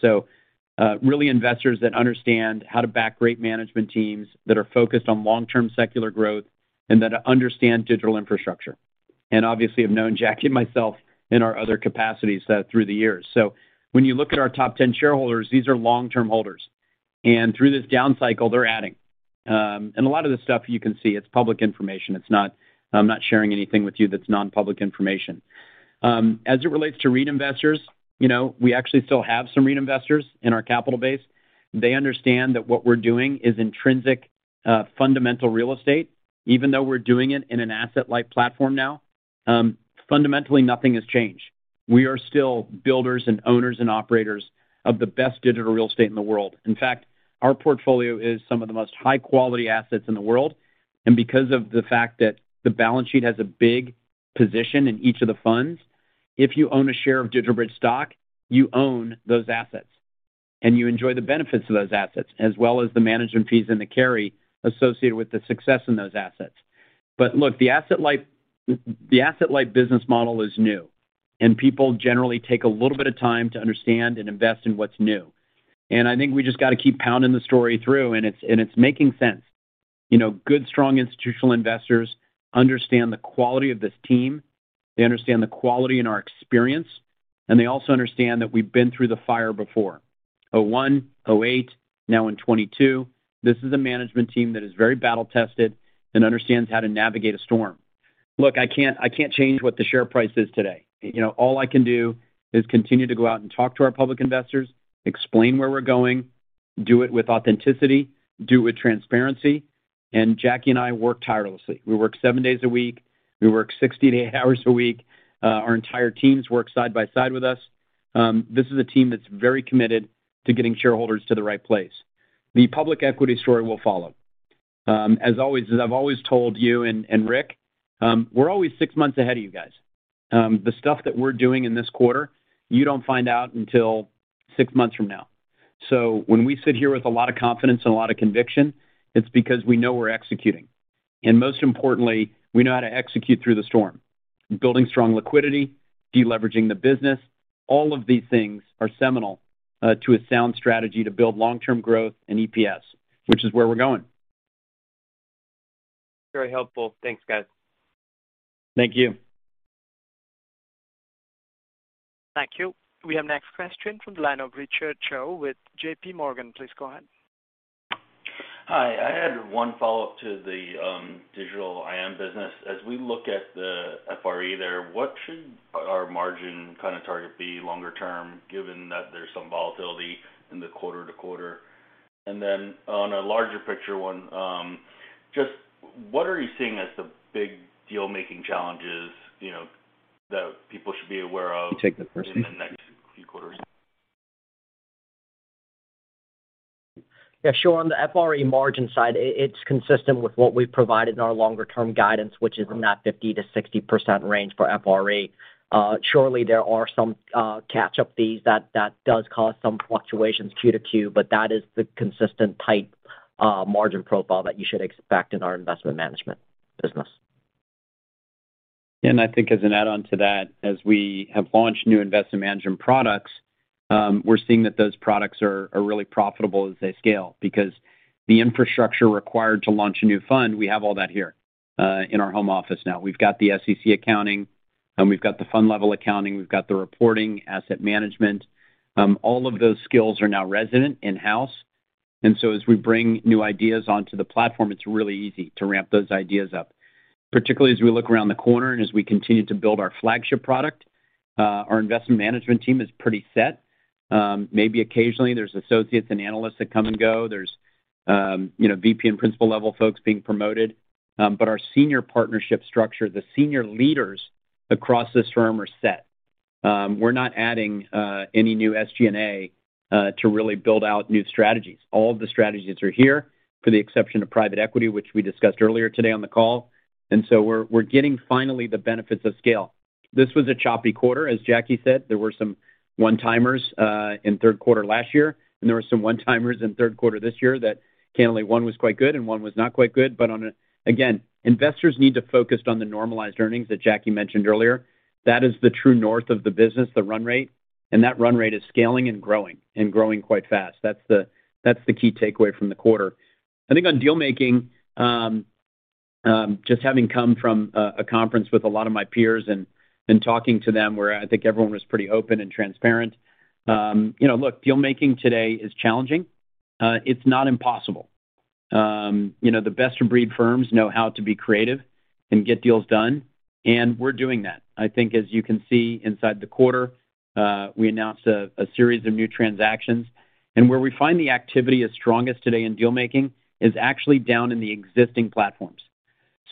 Really investors that understand how to back great management teams that are focused on long-term secular growth and that understand digital infrastructure, and obviously have known Jacky and myself in our other capacities through the years. When you look at our top 10 shareholders, these are long-term holders. Through this down cycle, they're adding. A lot of this stuff you can see. It's public information. It's not. I'm not sharing anything with you that's non-public information. As it relates to REIT investors, you know, we actually still have some REIT investors in our capital base. They understand that what we're doing is intrinsic, fundamental real estate, even though we're doing it in an asset-light platform now. Fundamentally, nothing has changed. We are still builders and owners and operators of the best digital real estate in the world. In fact, our portfolio is some of the most high-quality assets in the world. Because of the fact that the balance sheet has a big position in each of the funds, if you own a share of DigitalBridge stock, you own those assets. You enjoy the benefits of those assets as well as the management fees and the carry associated with the success in those assets. Look, the asset-light business model is new, and people generally take a little bit of time to understand and invest in what's new. I think we just got to keep pounding the story through, and it's making sense. You know, good, strong institutional investors understand the quality of this team. They understand the quality in our experience, and they also understand that we've been through the fire before. 2001, 2008, now in 2022. This is a management team that is very battle tested and understands how to navigate a storm. Look, I can't change what the share price is today. You know, all I can do is continue to go out and talk to our public investors, explain where we're going, do it with authenticity, do it with transparency. Jacky and I work tirelessly. We work seven days a week. We work 68 hours a week. Our entire teams work side by side with us. This is a team that's very committed to getting shareholders to the right place. The public equity story will follow. As always, as I've always told you and Ric, we're always six months ahead of you guys. The stuff that we're doing in this quarter, you don't find out until six months from now. When we sit here with a lot of confidence and a lot of conviction, it's because we know we're executing. Most importantly, we know how to execute through the storm. Building strong liquidity, deleveraging the business, all of these things are seminal to a sound strategy to build long-term growth and EPS, which is where we're going. Very helpful. Thanks, guys. Thank you. Thank you. We have next question from the line of Richard Choe with JPMorgan. Please go ahead. Hi. I had one follow-up to the digital IM business. As we look at the FRE there, what should our margin kind of target be longer term, given that there's some volatility in the quarter-over-quarter? On a larger picture one, just what are you seeing as the big deal-making challenges, you know, that people should be aware of? You take the first piece. in the next few quarters? Yeah, sure. On the FRE margin side, it's consistent with what we've provided in our longer term guidance, which is in that 50%-60% range for FRE. Surely there are some catch-up fees that does cause some fluctuations Q-to-Q, but that is the consistent tight margin profile that you should expect in our investment management business. I think as an add on to that, as we have launched new investment management products, we're seeing that those products are really profitable as they scale. Because the infrastructure required to launch a new fund, we have all that here in our home office now. We've got the SEC accounting, and we've got the fund level accounting. We've got the reporting asset management. All of those skills are now resident in-house. As we bring new ideas onto the platform, it's really easy to ramp those ideas up. Particularly as we look around the corner and as we continue to build our flagship product, our investment management team is pretty set. Maybe occasionally there's associates and analysts that come and go. There's, you know, VP and principal level folks being promoted. But our senior partnership structure, the senior leaders across this firm are set. We're not adding any new SG&A to really build out new strategies. All of the strategies are here with the exception of private equity, which we discussed earlier today on the call. We're getting finally the benefits of scale. This was a choppy quarter, as Jacky said. There were some one-timers in third quarter last year, and there were some one-timers in third quarter this year that candidly, one was quite good and one was not quite good. Again, investors need to focus on the normalized earnings that Jacky mentioned earlier. That is the true north of the business, the run rate. That run rate is scaling and growing quite fast. That's the key takeaway from the quarter. I think on deal-making, just having come from a conference with a lot of my peers and talking to them where I think everyone was pretty open and transparent. You know, look, deal-making today is challenging. It's not impossible. You know, the best-of-breed firms know how to be creative and get deals done, and we're doing that. I think as you can see inside the quarter, we announced a series of new transactions. Where we find the activity is strongest today in deal-making is actually down in the existing platforms.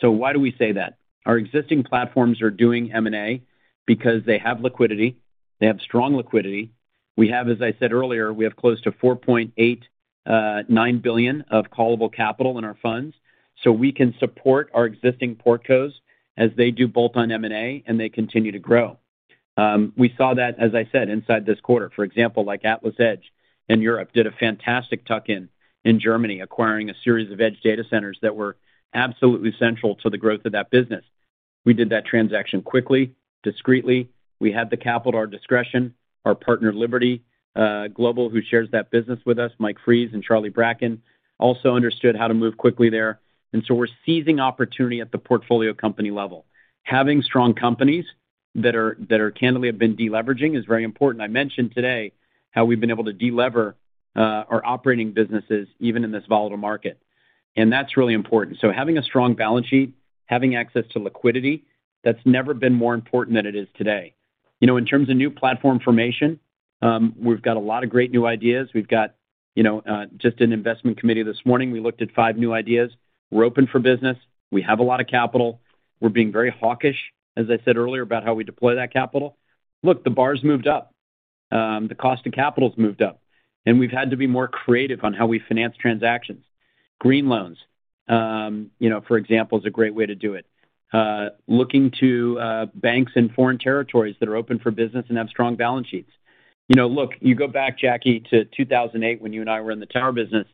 Why do we say that? Our existing platforms are doing M&A because they have liquidity. They have strong liquidity. We have, as I said earlier, we have close to $4.89 billion of callable capital in our funds. We can support our existing portcos as they do bolt-on M&A, and they continue to grow. We saw that, as I said, inside this quarter. For example, like AtlasEdge in Europe did a fantastic tuck-in in Germany, acquiring a series of edge data centers that were absolutely central to the growth of that business. We did that transaction quickly, discreetly. We had the capital at our discretion. Our partner, Liberty Global, who shares that business with us, Mike Fries and Charlie Bracken, also understood how to move quickly there. We're seizing opportunity at the portfolio company level. Having strong companies that candidly have been deleveraging is very important. I mentioned today how we've been able to delever our operating businesses even in this volatile market, and that's really important. Having a strong balance sheet, having access to liquidity, that's never been more important than it is today. You know, in terms of new platform formation, we've got a lot of great new ideas. We've got, you know, just an investment committee this morning. We looked at five new ideas. We're open for business. We have a lot of capital. We're being very hawkish, as I said earlier, about how we deploy that capital. Look, the bar's moved up. The cost of capital's moved up, and we've had to be more creative on how we finance transactions. Green loans, you know, for example, is a great way to do it. Looking to banks in foreign territories that are open for business and have strong balance sheets. You know, look, you go back, Jacky, to 2008 when you and I were in the tower business,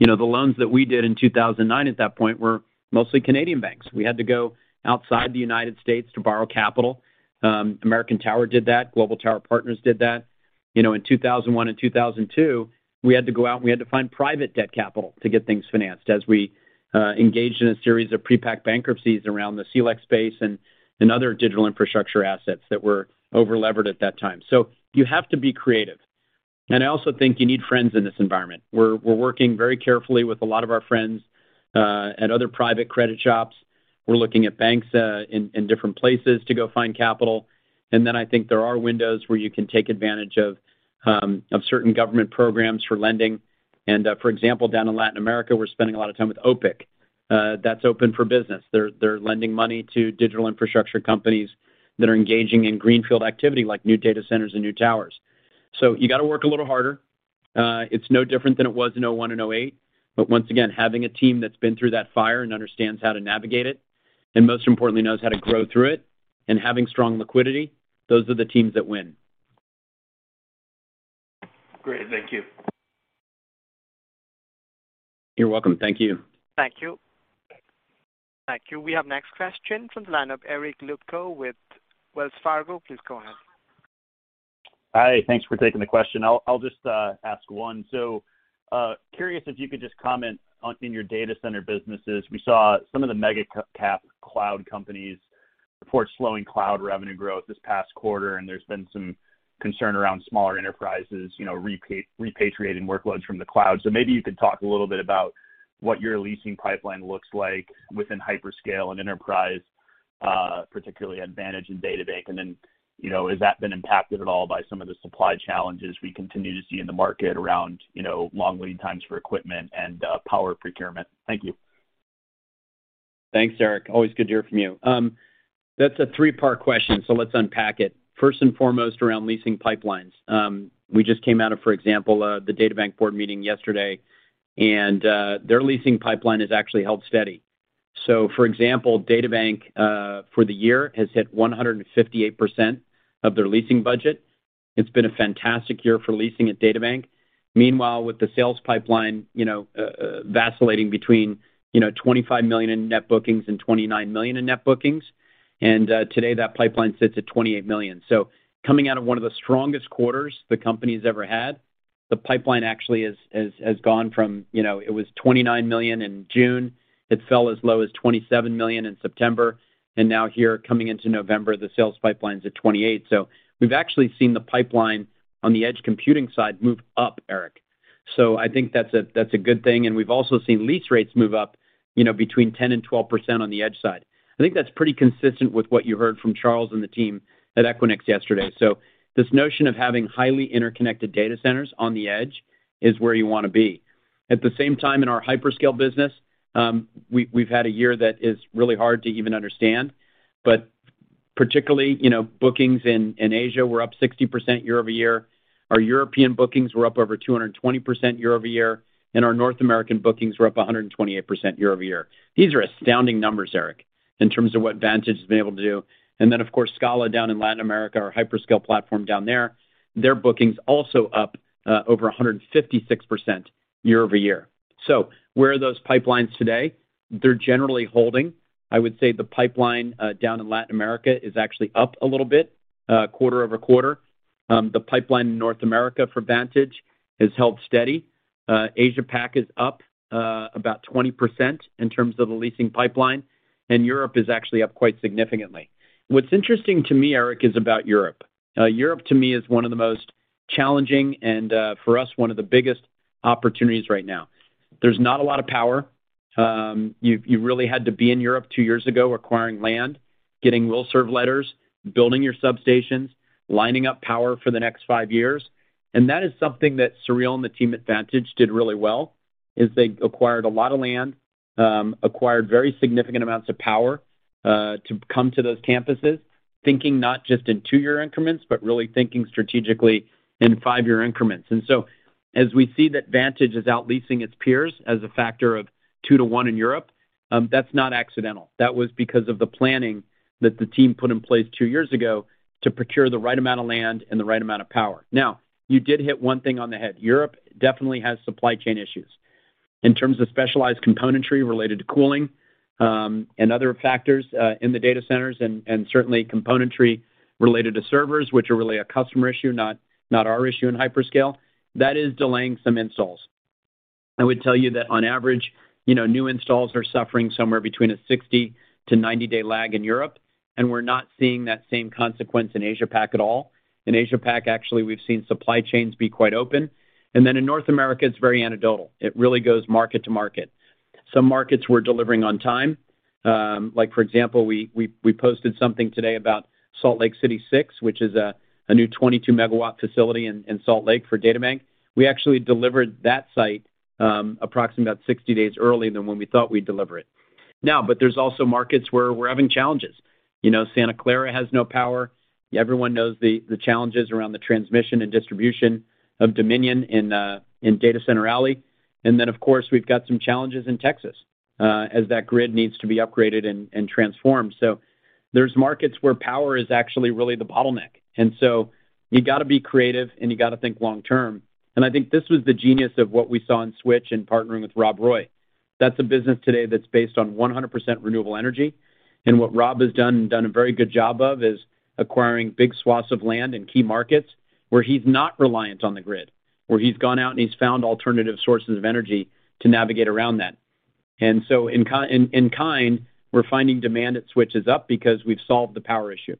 you know, the loans that we did in 2009 at that point were mostly Canadian banks. We had to go outside the United States to borrow capital. American Tower did that. Global Tower Partners did that. You know, in 2001 and 2002, we had to go out and we had to find private debt capital to get things financed as we engaged in a series of pre-pack bankruptcies around the CLEC space and other digital infrastructure assets that were overlevered at that time. You have to be creative. I also think you need friends in this environment. We're working very carefully with a lot of our friends at other private credit shops. We're looking at banks in different places to go find capital. I think there are windows where you can take advantage of certain government programs for lending. For example, down in Latin America, we're spending a lot of time with OPIC. That's open for business. They're lending money to digital infrastructure companies that are engaging in greenfield activity like new data centers and new towers. You got to work a little harder. It's no different than it was in 2001 and 2008, but once again, having a team that's been through that fire and understands how to navigate it, and most importantly, knows how to grow through it and having strong liquidity, those are the teams that win. Great. Thank you. You're welcome. Thank you. Thank you. Thank you. We have next question from the line of Eric Luebchow with Wells Fargo. Please go ahead. Hi. Thanks for taking the question. I'll just ask one. Curious if you could just comment on your data center businesses. We saw some of the mega-cap cloud companies report slowing cloud revenue growth this past quarter, and there's been some concern around smaller enterprises, you know, repatriating workloads from the cloud. Maybe you could talk a little bit about what your leasing pipeline looks like within hyperscale and enterprise, particularly at Vantage and DataBank. Then, you know, has that been impacted at all by some of the supply challenges we continue to see in the market around, you know, long lead times for equipment and power procurement? Thank you. Thanks, Eric. Always good to hear from you. That's a three-part question, so let's unpack it. First and foremost, around leasing pipelines. We just came out of, for example, the DataBank board meeting yesterday, and their leasing pipeline has actually held steady. For example, DataBank, for the year has hit 158% of their leasing budget. It's been a fantastic year for leasing at DataBank. Meanwhile, with the sales pipeline, you know, vacillating between, you know, $25 million in net bookings and $29 million in net bookings. Today that pipeline sits at $28 million. Coming out of one of the strongest quarters the company's ever had, the pipeline actually has gone from, you know, it was $29 million in June. It fell as low as $27 million in September. Now here coming into November, the sales pipeline's at $28 million. We've actually seen the pipeline on the edge computing side move up, Eric. I think that's a good thing. We've also seen lease rates move up, you know, between 10%-12% on the edge side. I think that's pretty consistent with what you heard from Charles and the team at Equinix yesterday. This notion of having highly interconnected data centers on the edge is where you want to be. At the same time, in our hyperscale business, we've had a year that is really hard to even understand, but particularly, you know, bookings in Asia were up 60% year-over-year. Our European bookings were up over 200% year-over-year, and our North American bookings were up 128% year-over-year. These are astounding numbers, Eric, in terms of what Vantage has been able to do. Of course, Scala down in Latin America, our hyperscale platform down there, their bookings also up over 156% year-over-year. Where are those pipelines today? They're generally holding. I would say the pipeline down in Latin America is actually up a little bit quarter-over-quarter. The pipeline in North America for Vantage has held steady. Asia PAC is up about 20% in terms of the leasing pipeline, and Europe is actually up quite significantly. What's interesting to me, Eric, is about Europe. Europe to me is one of the most challenging and, for us, one of the biggest opportunities right now. There's not a lot of power. You really had to be in Europe two years ago acquiring land, getting will serve letters, building your substations, lining up power for the next five years. That is something that Sureel and the team at Vantage did really well, is they acquired a lot of land, acquired very significant amounts of power, to come to those campuses, thinking not just in two-year increments, but really thinking strategically in five-year increments. As we see that Vantage is out leasing its peers as a factor of 2:1 in Europe, that's not accidental. That was because of the planning that the team put in place two years ago to procure the right amount of land and the right amount of power. Now, you did hit one thing on the head. Europe definitely has supply chain issues in terms of specialized componentry related to cooling, and other factors in the data centers and certainly componentry related to servers, which are really a customer issue, not our issue in hyperscale. That is delaying some installs. I would tell you that on average, you know, new installs are suffering somewhere between a 60-90-day lag in Europe, and we're not seeing that same consequence in Asia PAC at all. In Asia PAC, actually, we've seen supply chains be quite open. Then in North America, it's very anecdotal. It really goes market to market. Some markets we're delivering on time. Like for example, we posted something today about Salt Lake City 6, which is a new 22-MW facility in Salt Lake for DataBank. We actually delivered that site approximately about 60 days earlier than when we thought we'd deliver it. But there's also markets where we're having challenges. You know, Santa Clara has no power. Everyone knows the challenges around the transmission and distribution of Dominion in Data Center Alley. Then, of course, we've got some challenges in Texas as that grid needs to be upgraded and transformed. There's markets where power is actually really the bottleneck. You gotta be creative and you gotta think long term. I think this was the genius of what we saw in Switch in partnering with Rob Roy. That's a business today that's based on 100% renewable energy. What Rob has done, and done a very good job of, is acquiring big swaths of land in key markets where he's not reliant on the grid, where he's gone out and he's found alternative sources of energy to navigate around that. In kind, we're finding demand at Switch up because we've solved the power issue,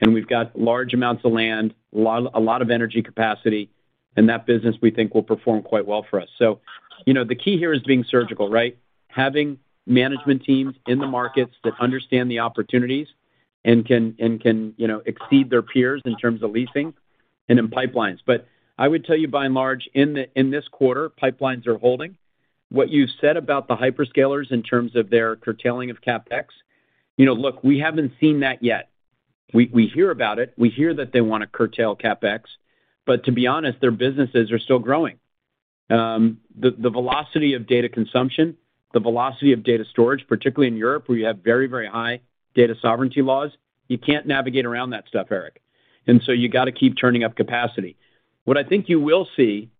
and we've got large amounts of land, a lot of energy capacity, and that business we think will perform quite well for us. You know, the key here is being surgical, right? Having management teams in the markets that understand the opportunities and can, you know, exceed their peers in terms of leasing and in pipelines. I would tell you, by and large, in this quarter, pipelines are holding. What you said about the hyperscalers in terms of their curtailing of CapEx, you know, look, we haven't seen that yet. We hear about it. We hear that they wanna curtail CapEx, but to be honest, their businesses are still growing. The velocity of data consumption, the velocity of data storage, particularly in Europe, where you have very, very high data sovereignty laws, you can't navigate around that stuff, Eric. You gotta keep turning up capacity. What I think you will see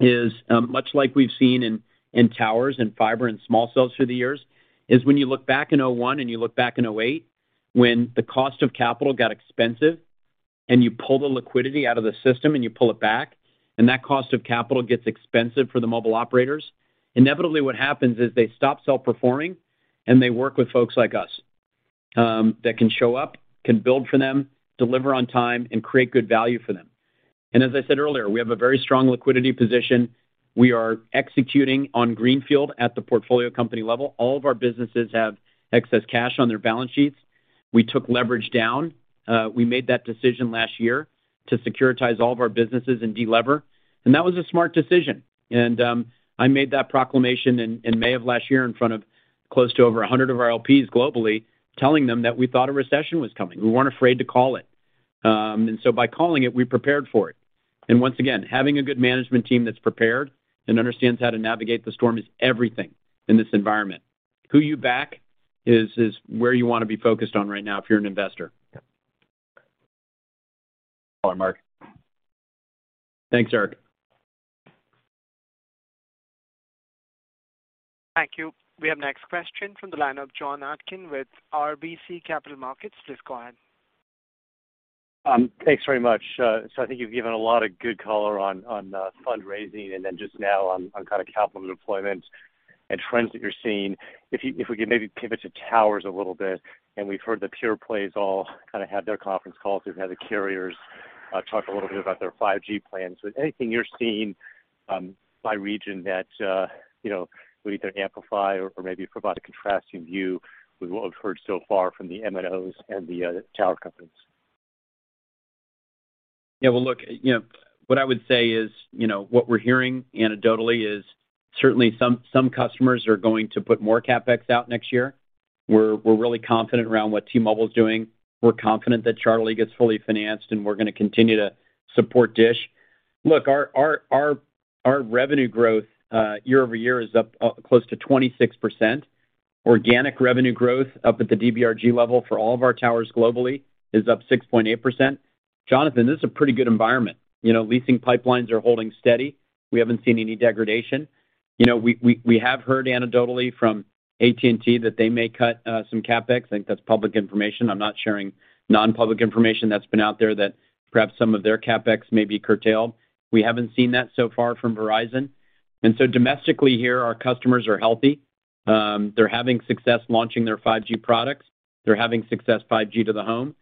is much like we've seen in towers and fiber and small cells through the years, is when you look back in 2001 and you look back in 2008, when the cost of capital got expensive and you pull the liquidity out of the system and you pull it back, and that cost of capital gets expensive for the mobile operators, inevitably what happens is they stop self-performing, and they work with folks like us that can show up, can build for them, deliver on time, and create good value for them. As I said earlier, we have a very strong liquidity position. We are executing on greenfield at the portfolio company level. All of our businesses have excess cash on their balance sheets. We took leverage down. We made that decision last year to securitize all of our businesses and de-lever, and that was a smart decision. I made that proclamation in May of last year in front of close to over 100 of our LPs globally, telling them that we thought a recession was coming. We weren't afraid to call it. By calling it, we prepared for it. Once again, having a good management team that's prepared and understands how to navigate the storm is everything in this environment. Who you back is where you wanna be focused on right now if you're an investor. Yeah. Marc. Thanks, Eric. Thank you. We have next question from the line of Jon Atkin with RBC Capital Markets. Please go ahead. Thanks very much. I think you've given a lot of good color on fundraising, and then just now on kind of capital deployment and trends that you're seeing. If we could maybe pivot to towers a little bit, and we've heard the pure plays all kind of have their conference calls. We've had the carriers talk a little bit about their 5G plans. Anything you're seeing by region that you know will either amplify or maybe provide a contrasting view with what we've heard so far from the MNOs and the tower companies? Yeah. Well, look, you know, what I would say is, you know, what we're hearing anecdotally is certainly some customers are going to put more CapEx out next year. We're really confident around what T-Mobile's doing. We're confident that Charlie gets fully financed, and we're gonna continue to support Dish. Look, our revenue growth year-over-year is up close to 26%. Organic revenue growth up at the DBRG level for all of our towers globally is up 6.8%. Jonathan, this is a pretty good environment. You know, leasing pipelines are holding steady. We haven't seen any degradation. You know, we have heard anecdotally from AT&T that they may cut some CapEx. I think that's public information. I'm not sharing non-public information. That's been out there that perhaps some of their CapEx may be curtailed. We haven't seen that so far from Verizon. Domestically here, our customers are healthy. They're having success launching their 5G products. They're having success 5G to the home.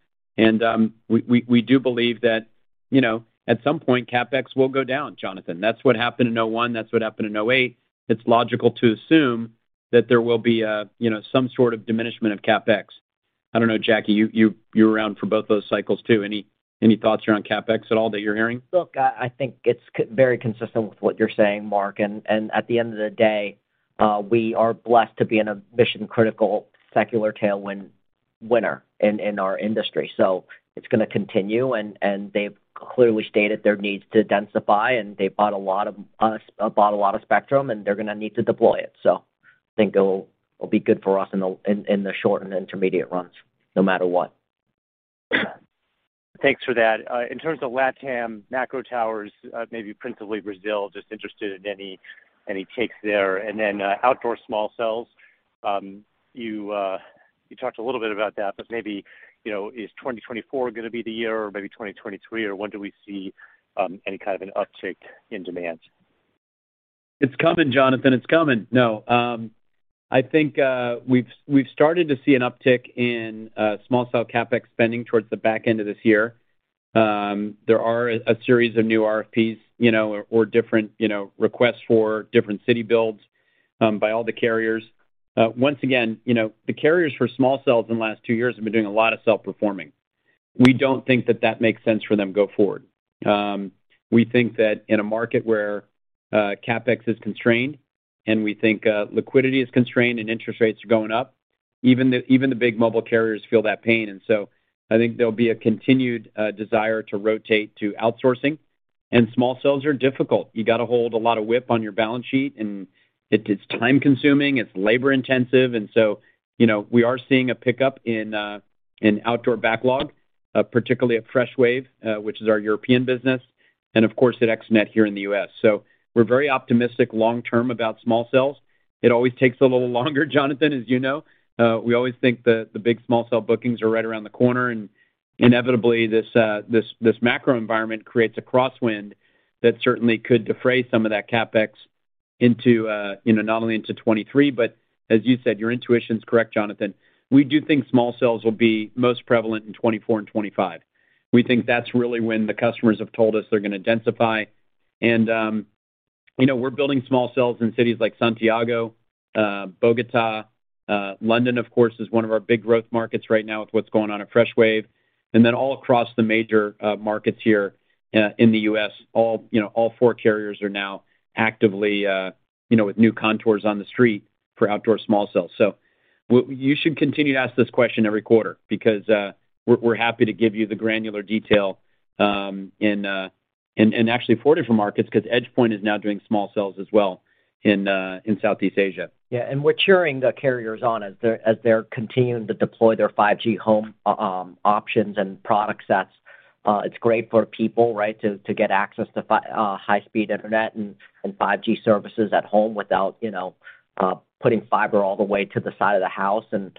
We do believe that, you know, at some point, CapEx will go down, Jonathan. That's what happened in 2001. That's what happened in 2008. It's logical to assume that there will be a, you know, some sort of diminishment of CapEx. I don't know, Jacky, you were around for both those cycles too. Any thoughts here on CapEx at all that you're hearing? Look, I think it's very consistent with what you're saying, Mark. At the end of the day, we are blessed to be in a mission-critical secular tailwind winner in our industry. It's gonna continue and they've clearly stated their needs to densify, and they bought a lot of spectrum, and they're gonna need to deploy it. I think it will be good for us in the short and intermediate runs, no matter what. Thanks for that. In terms of LatAm macro towers, maybe principally Brazil, just interested in any takes there. Outdoor small cells, you talked a little bit about that, but maybe, you know, is 2024 gonna be the year or maybe 2023, or when do we see any kind of an uptick in demand? It's coming, Jonathan. It's coming. No, I think we've started to see an uptick in small cell CapEx spending towards the back end of this year. There are a series of new RFPs, you know, or different, you know, requests for different city builds by all the carriers. Once again, you know, the carriers for small cells in the last two years have been doing a lot of self-performing. We don't think that makes sense for them go forward. We think that in a market where CapEx is constrained and we think liquidity is constrained and interest rates are going up, even the big mobile carriers feel that pain. I think there'll be a continued desire to rotate to outsourcing. Small cells are difficult. You gotta hold a lot of WIP on your balance sheet, and it's time-consuming, it's labor-intensive. You know, we are seeing a pickup in outdoor backlog, particularly at Freshwave, which is our European business and of course at ExteNet here in the US. We're very optimistic long-term about small cells. It always takes a little longer, Jonathan, as you know. We always think that the big small cell bookings are right around the corner, and inevitably this macro environment creates a crosswind that certainly could defray some of that CapEx into, you know, not only into 2023, but as you said, your intuition is correct, Jonathan. We do think small cells will be most prevalent in 2024 and 2025. We think that's really when the customers have told us they're gonna densify. You know, we're building small cells in cities like Santiago, Bogotá. London, of course, is one of our big growth markets right now with what's going on at Freshwave. All across the major markets here in the U.S., all you know, all four carriers are now actively you know, with new constructs on the street for outdoor small cells. You should continue to ask this question every quarter because we're happy to give you the granular detail and actually for different markets 'cause EdgePoint is now doing small cells as well in Southeast Asia. Yeah. We're cheering the carriers on as they're continuing to deploy their 5G home options and product sets. It's great for people, right, to get access to high-speed internet and 5G services at home without you know putting fiber all the way to the side of the house, and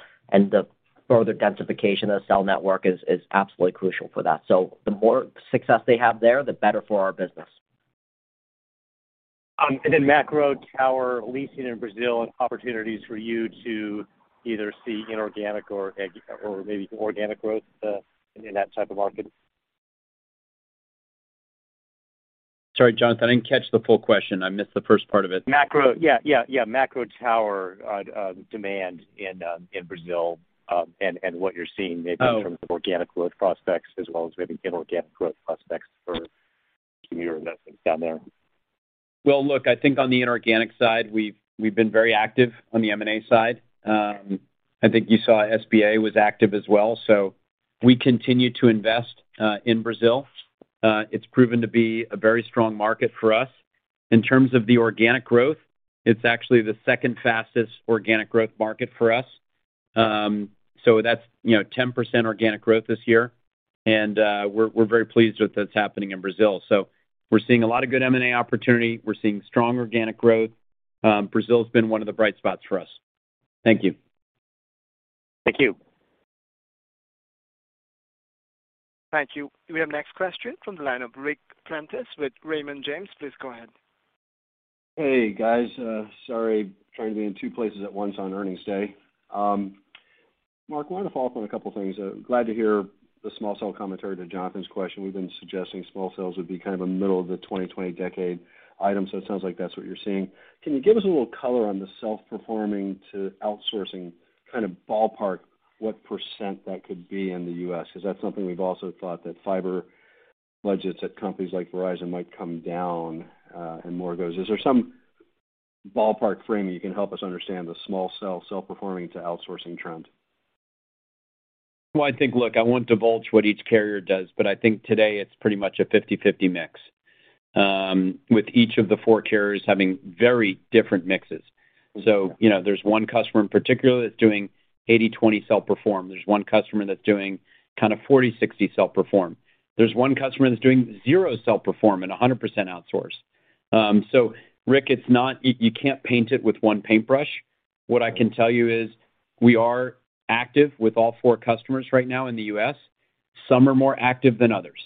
the further densification of the cell network is absolutely crucial for that. The more success they have there, the better for our business. Macro tower leasing in Brazil and opportunities for you to either see inorganic or maybe organic growth in that type of market. Sorry, Jonathan. I didn't catch the full question. I missed the first part of it. Macro. Yeah, yeah. Macro tower demand in Brazil and what you're seeing maybe. Oh. in terms of organic growth prospects, as well as maybe inorganic growth prospects for some of your investments down there. Well, look, I think on the inorganic side, we've been very active on the M&A side. I think you saw SBA was active as well. We continue to invest in Brazil. It's proven to be a very strong market for us. In terms of the organic growth, it's actually the second fastest organic growth market for us. That's, you know, 10% organic growth this year. We're very pleased with what's happening in Brazil. We're seeing a lot of good M&A opportunity. We're seeing strong organic growth. Brazil's been one of the bright spots for us. Thank you. Thank you. Thank you. We have next question from the line of Ric Prentiss with Raymond James. Please go ahead. Hey, guys. Sorry, trying to be in two places at once on earnings day. Marc, wanted to follow up on a couple of things. Glad to hear the small cell commentary to Jonathan's question. We've been suggesting small cells would be kind of a middle-of-the-2020-decade item, so it sounds like that's what you're seeing. Can you give us a little color on the self-performing to outsourcing, kind of ballpark what percent that could be in the U.S.? 'Cause that's something we've also thought that fiber budgets at companies like Verizon might come down, and more of those. Is there some ballpark frame you can help us understand the small cell self-performing to outsourcing trend? Well, I think, look, I won't divulge what each carrier does, but I think today it's pretty much a 50/50 mix. With each of the four carriers having very different mixes. You know, there's one customer in particular that's doing 80/20 self-perform. There's one customer that's doing kind of 40/60 self-perform. There's one customer that's doing zero self-perform and 100% outsource. Ric, it's not. You can't paint it with one paintbrush. What I can tell you is we are active with all four customers right now in the U.S. Some are more active than others,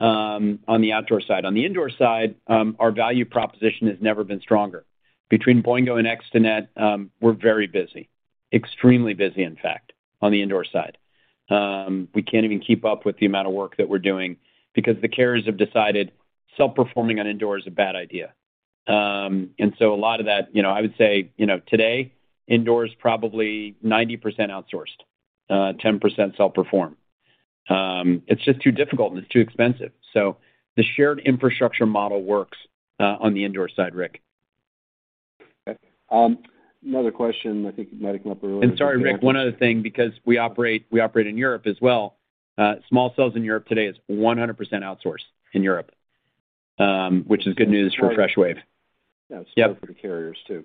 on the outdoor side. On the indoor side, our value proposition has never been stronger. Between Boingo and ExteNet, we're very busy, extremely busy in fact, on the indoor side. We can't even keep up with the amount of work that we're doing because the carriers have decided self-performing on indoor is a bad idea. A lot of that, you know, I would say, you know, today, indoor is probably 90% outsourced, 10% self-perform. It's just too difficult and it's too expensive. The shared infrastructure model works on the indoor side, Ric. Okay. Another question I think it might have come up earlier. Sorry, Ric, one other thing, because we operate in Europe as well. Small cells in Europe today is 100% outsourced in Europe, which is good news for Freshwave. Yeah. Yeah. Super for the carriers too.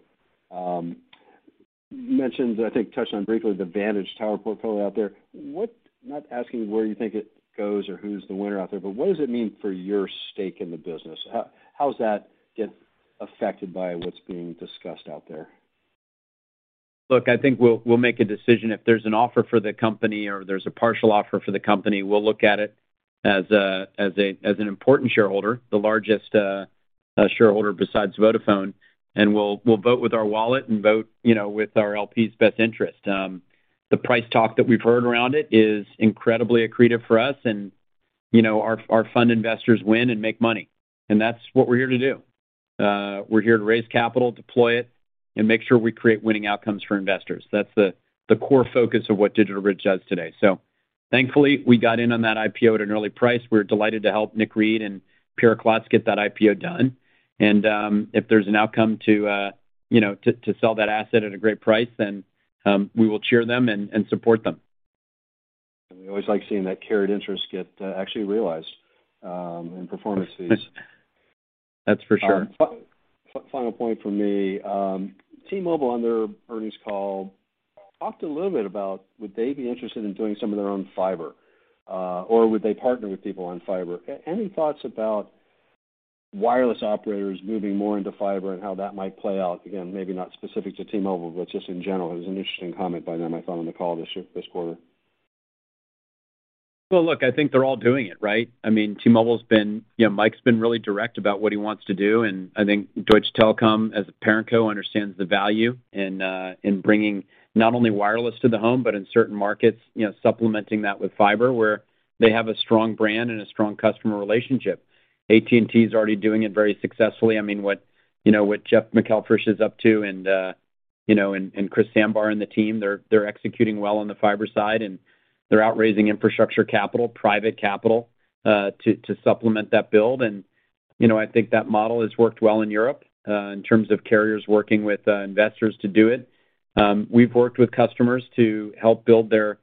You mentioned, I think touched on briefly the Vantage Towers portfolio out there. What? Not asking where you think it goes or who's the winner out there, but what does it mean for your stake in the business? How does that get affected by what's being discussed out there? Look, I think we'll make a decision. If there's an offer for the company or there's a partial offer for the company, we'll look at it as an important shareholder, the largest shareholder besides Vodafone, and we'll vote with our wallet and vote, you know, with our LP's best interest. The price talk that we've heard around it is incredibly accretive for us, and you know, our fund investors win and make money, and that's what we're here to do. We're here to raise capital, deploy it, and make sure we create winning outcomes for investors. That's the core focus of what DigitalBridge does today. Thankfully, we got in on that IPO at an early price. We're delighted to help Nick Read and Vivek Badrinath get that IPO done. If there's an outcome to you know to sell that asset at a great price, then we will cheer them and support them. We always like seeing that carried interest get actually realized in performance fees. That's for sure. Final point for me. T-Mobile, on their earnings call, talked a little bit about would they be interested in doing some of their own fiber, or would they partner with people on fiber? Any thoughts about wireless operators moving more into fiber and how that might play out? Again, maybe not specific to T-Mobile, but just in general. It was an interesting comment by them, I thought, on the call this quarter. Well, look, I think they're all doing it, right? I mean, T-Mobile's been you know, Mike's been really direct about what he wants to do, and I think Deutsche Telekom, as a parent co, understands the value in in bringing not only wireless to the home, but in certain markets, you know, supplementing that with fiber, where they have a strong brand and a strong customer relationship. AT&T is already doing it very successfully. I mean, what you know, what Jeff McElfresh is up to, and you know, and Chris Sambar and the team, they're executing well on the fiber side, and they're out raising infrastructure capital, private capital to supplement that build. You know, I think that model has worked well in Europe in terms of carriers working with investors to do it. We've worked with customers to help build their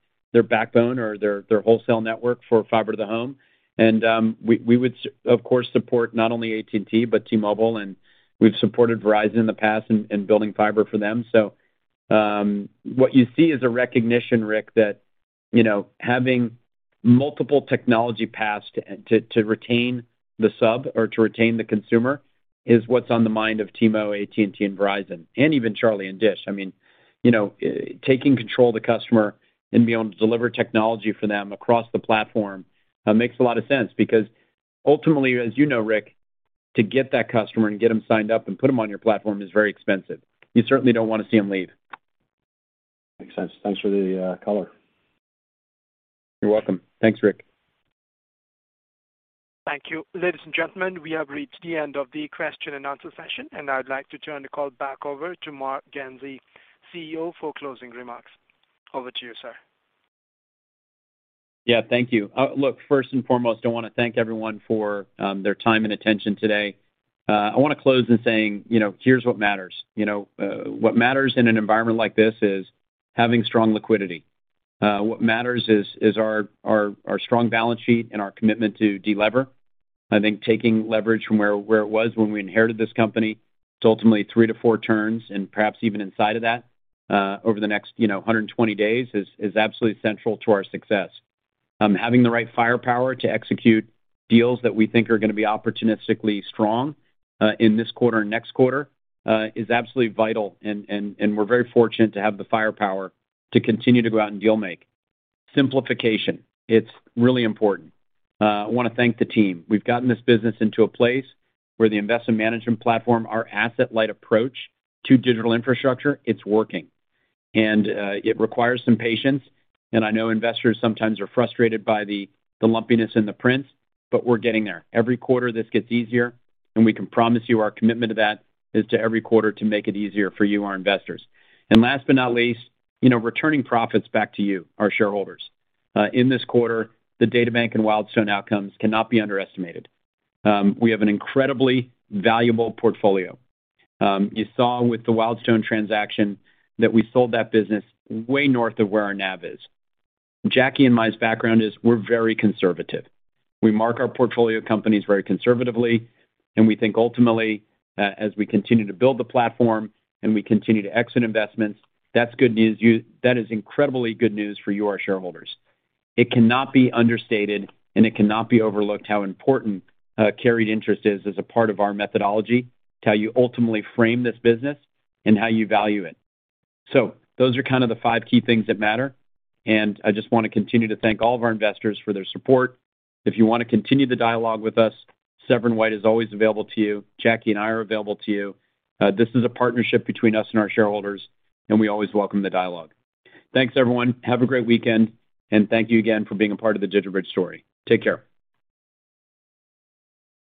backbone or their wholesale network for fiber to the home. We would of course support not only AT&T, but T-Mobile, and we've supported Verizon in the past in building fiber for them. What you see is a recognition, Ric, that, you know, having multiple technology paths to retain the sub or to retain the consumer is what's on the mind of T-Mo, AT&T and Verizon, and even Charlie and Dish. I mean, you know, taking control of the customer and being able to deliver technology for them across the platform makes a lot of sense because ultimately, as you know, Ric, to get that customer and get them signed up and put them on your platform is very expensive. You certainly don't wanna see them leave. Makes sense. Thanks for the, color. You're welcome. Thanks, Ric. Thank you. Ladies and gentlemen, we have reached the end of the question and answer session, and I'd like to turn the call back over to Marc Ganzi, CEO, for closing remarks. Over to you, sir. Yeah. Thank you. Look, first and foremost, I wanna thank everyone for their time and attention today. I wanna close in saying, you know, here's what matters. You know, what matters in an environment like this is having strong liquidity. What matters is our strong balance sheet and our commitment to delever. I think taking leverage from where it was when we inherited this company to ultimately three to four turns, and perhaps even inside of that, over the next, you know, 120 days is absolutely central to our success. Having the right firepower to execute deals that we think are gonna be opportunistically strong in this quarter and next quarter is absolutely vital, and we're very fortunate to have the firepower to continue to go out and deal make. Simplification, it's really important. I wanna thank the team. We've gotten this business into a place where the investment management platform, our asset-light approach to digital infrastructure, it's working. It requires some patience, and I know investors sometimes are frustrated by the lumpiness in the prints, but we're getting there. Every quarter, this gets easier, and we can promise you our commitment to that is to every quarter to make it easier for you, our investors. Last but not least, you know, returning profits back to you, our shareholders. In this quarter, the DataBank and Wildstone outcomes cannot be underestimated. We have an incredibly valuable portfolio. You saw with the Wildstone transaction that we sold that business way north of where our NAV is. Jacky and my background is we're very conservative. We mark our portfolio companies very conservatively, and we think ultimately, as we continue to build the platform and we continue to exit investments, that's good news that is incredibly good news for you, our shareholders. It cannot be understated, and it cannot be overlooked how important carried interest is as a part of our methodology to how you ultimately frame this business and how you value it. So those are kind of the five key things that matter, and I just wanna continue to thank all of our investors for their support. If you wanna continue the dialogue with us, Severin White is always available to you. Jacky and I are available to you. This is a partnership between us and our shareholders, and we always welcome the dialogue. Thanks, everyone. Have a great weekend, and thank you again for being a part of the DigitalBridge story. Take care.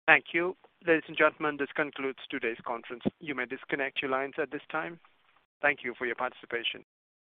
Thank you. Ladies and gentlemen, this concludes today's conference. You may disconnect your lines at this time. Thank you for your participation.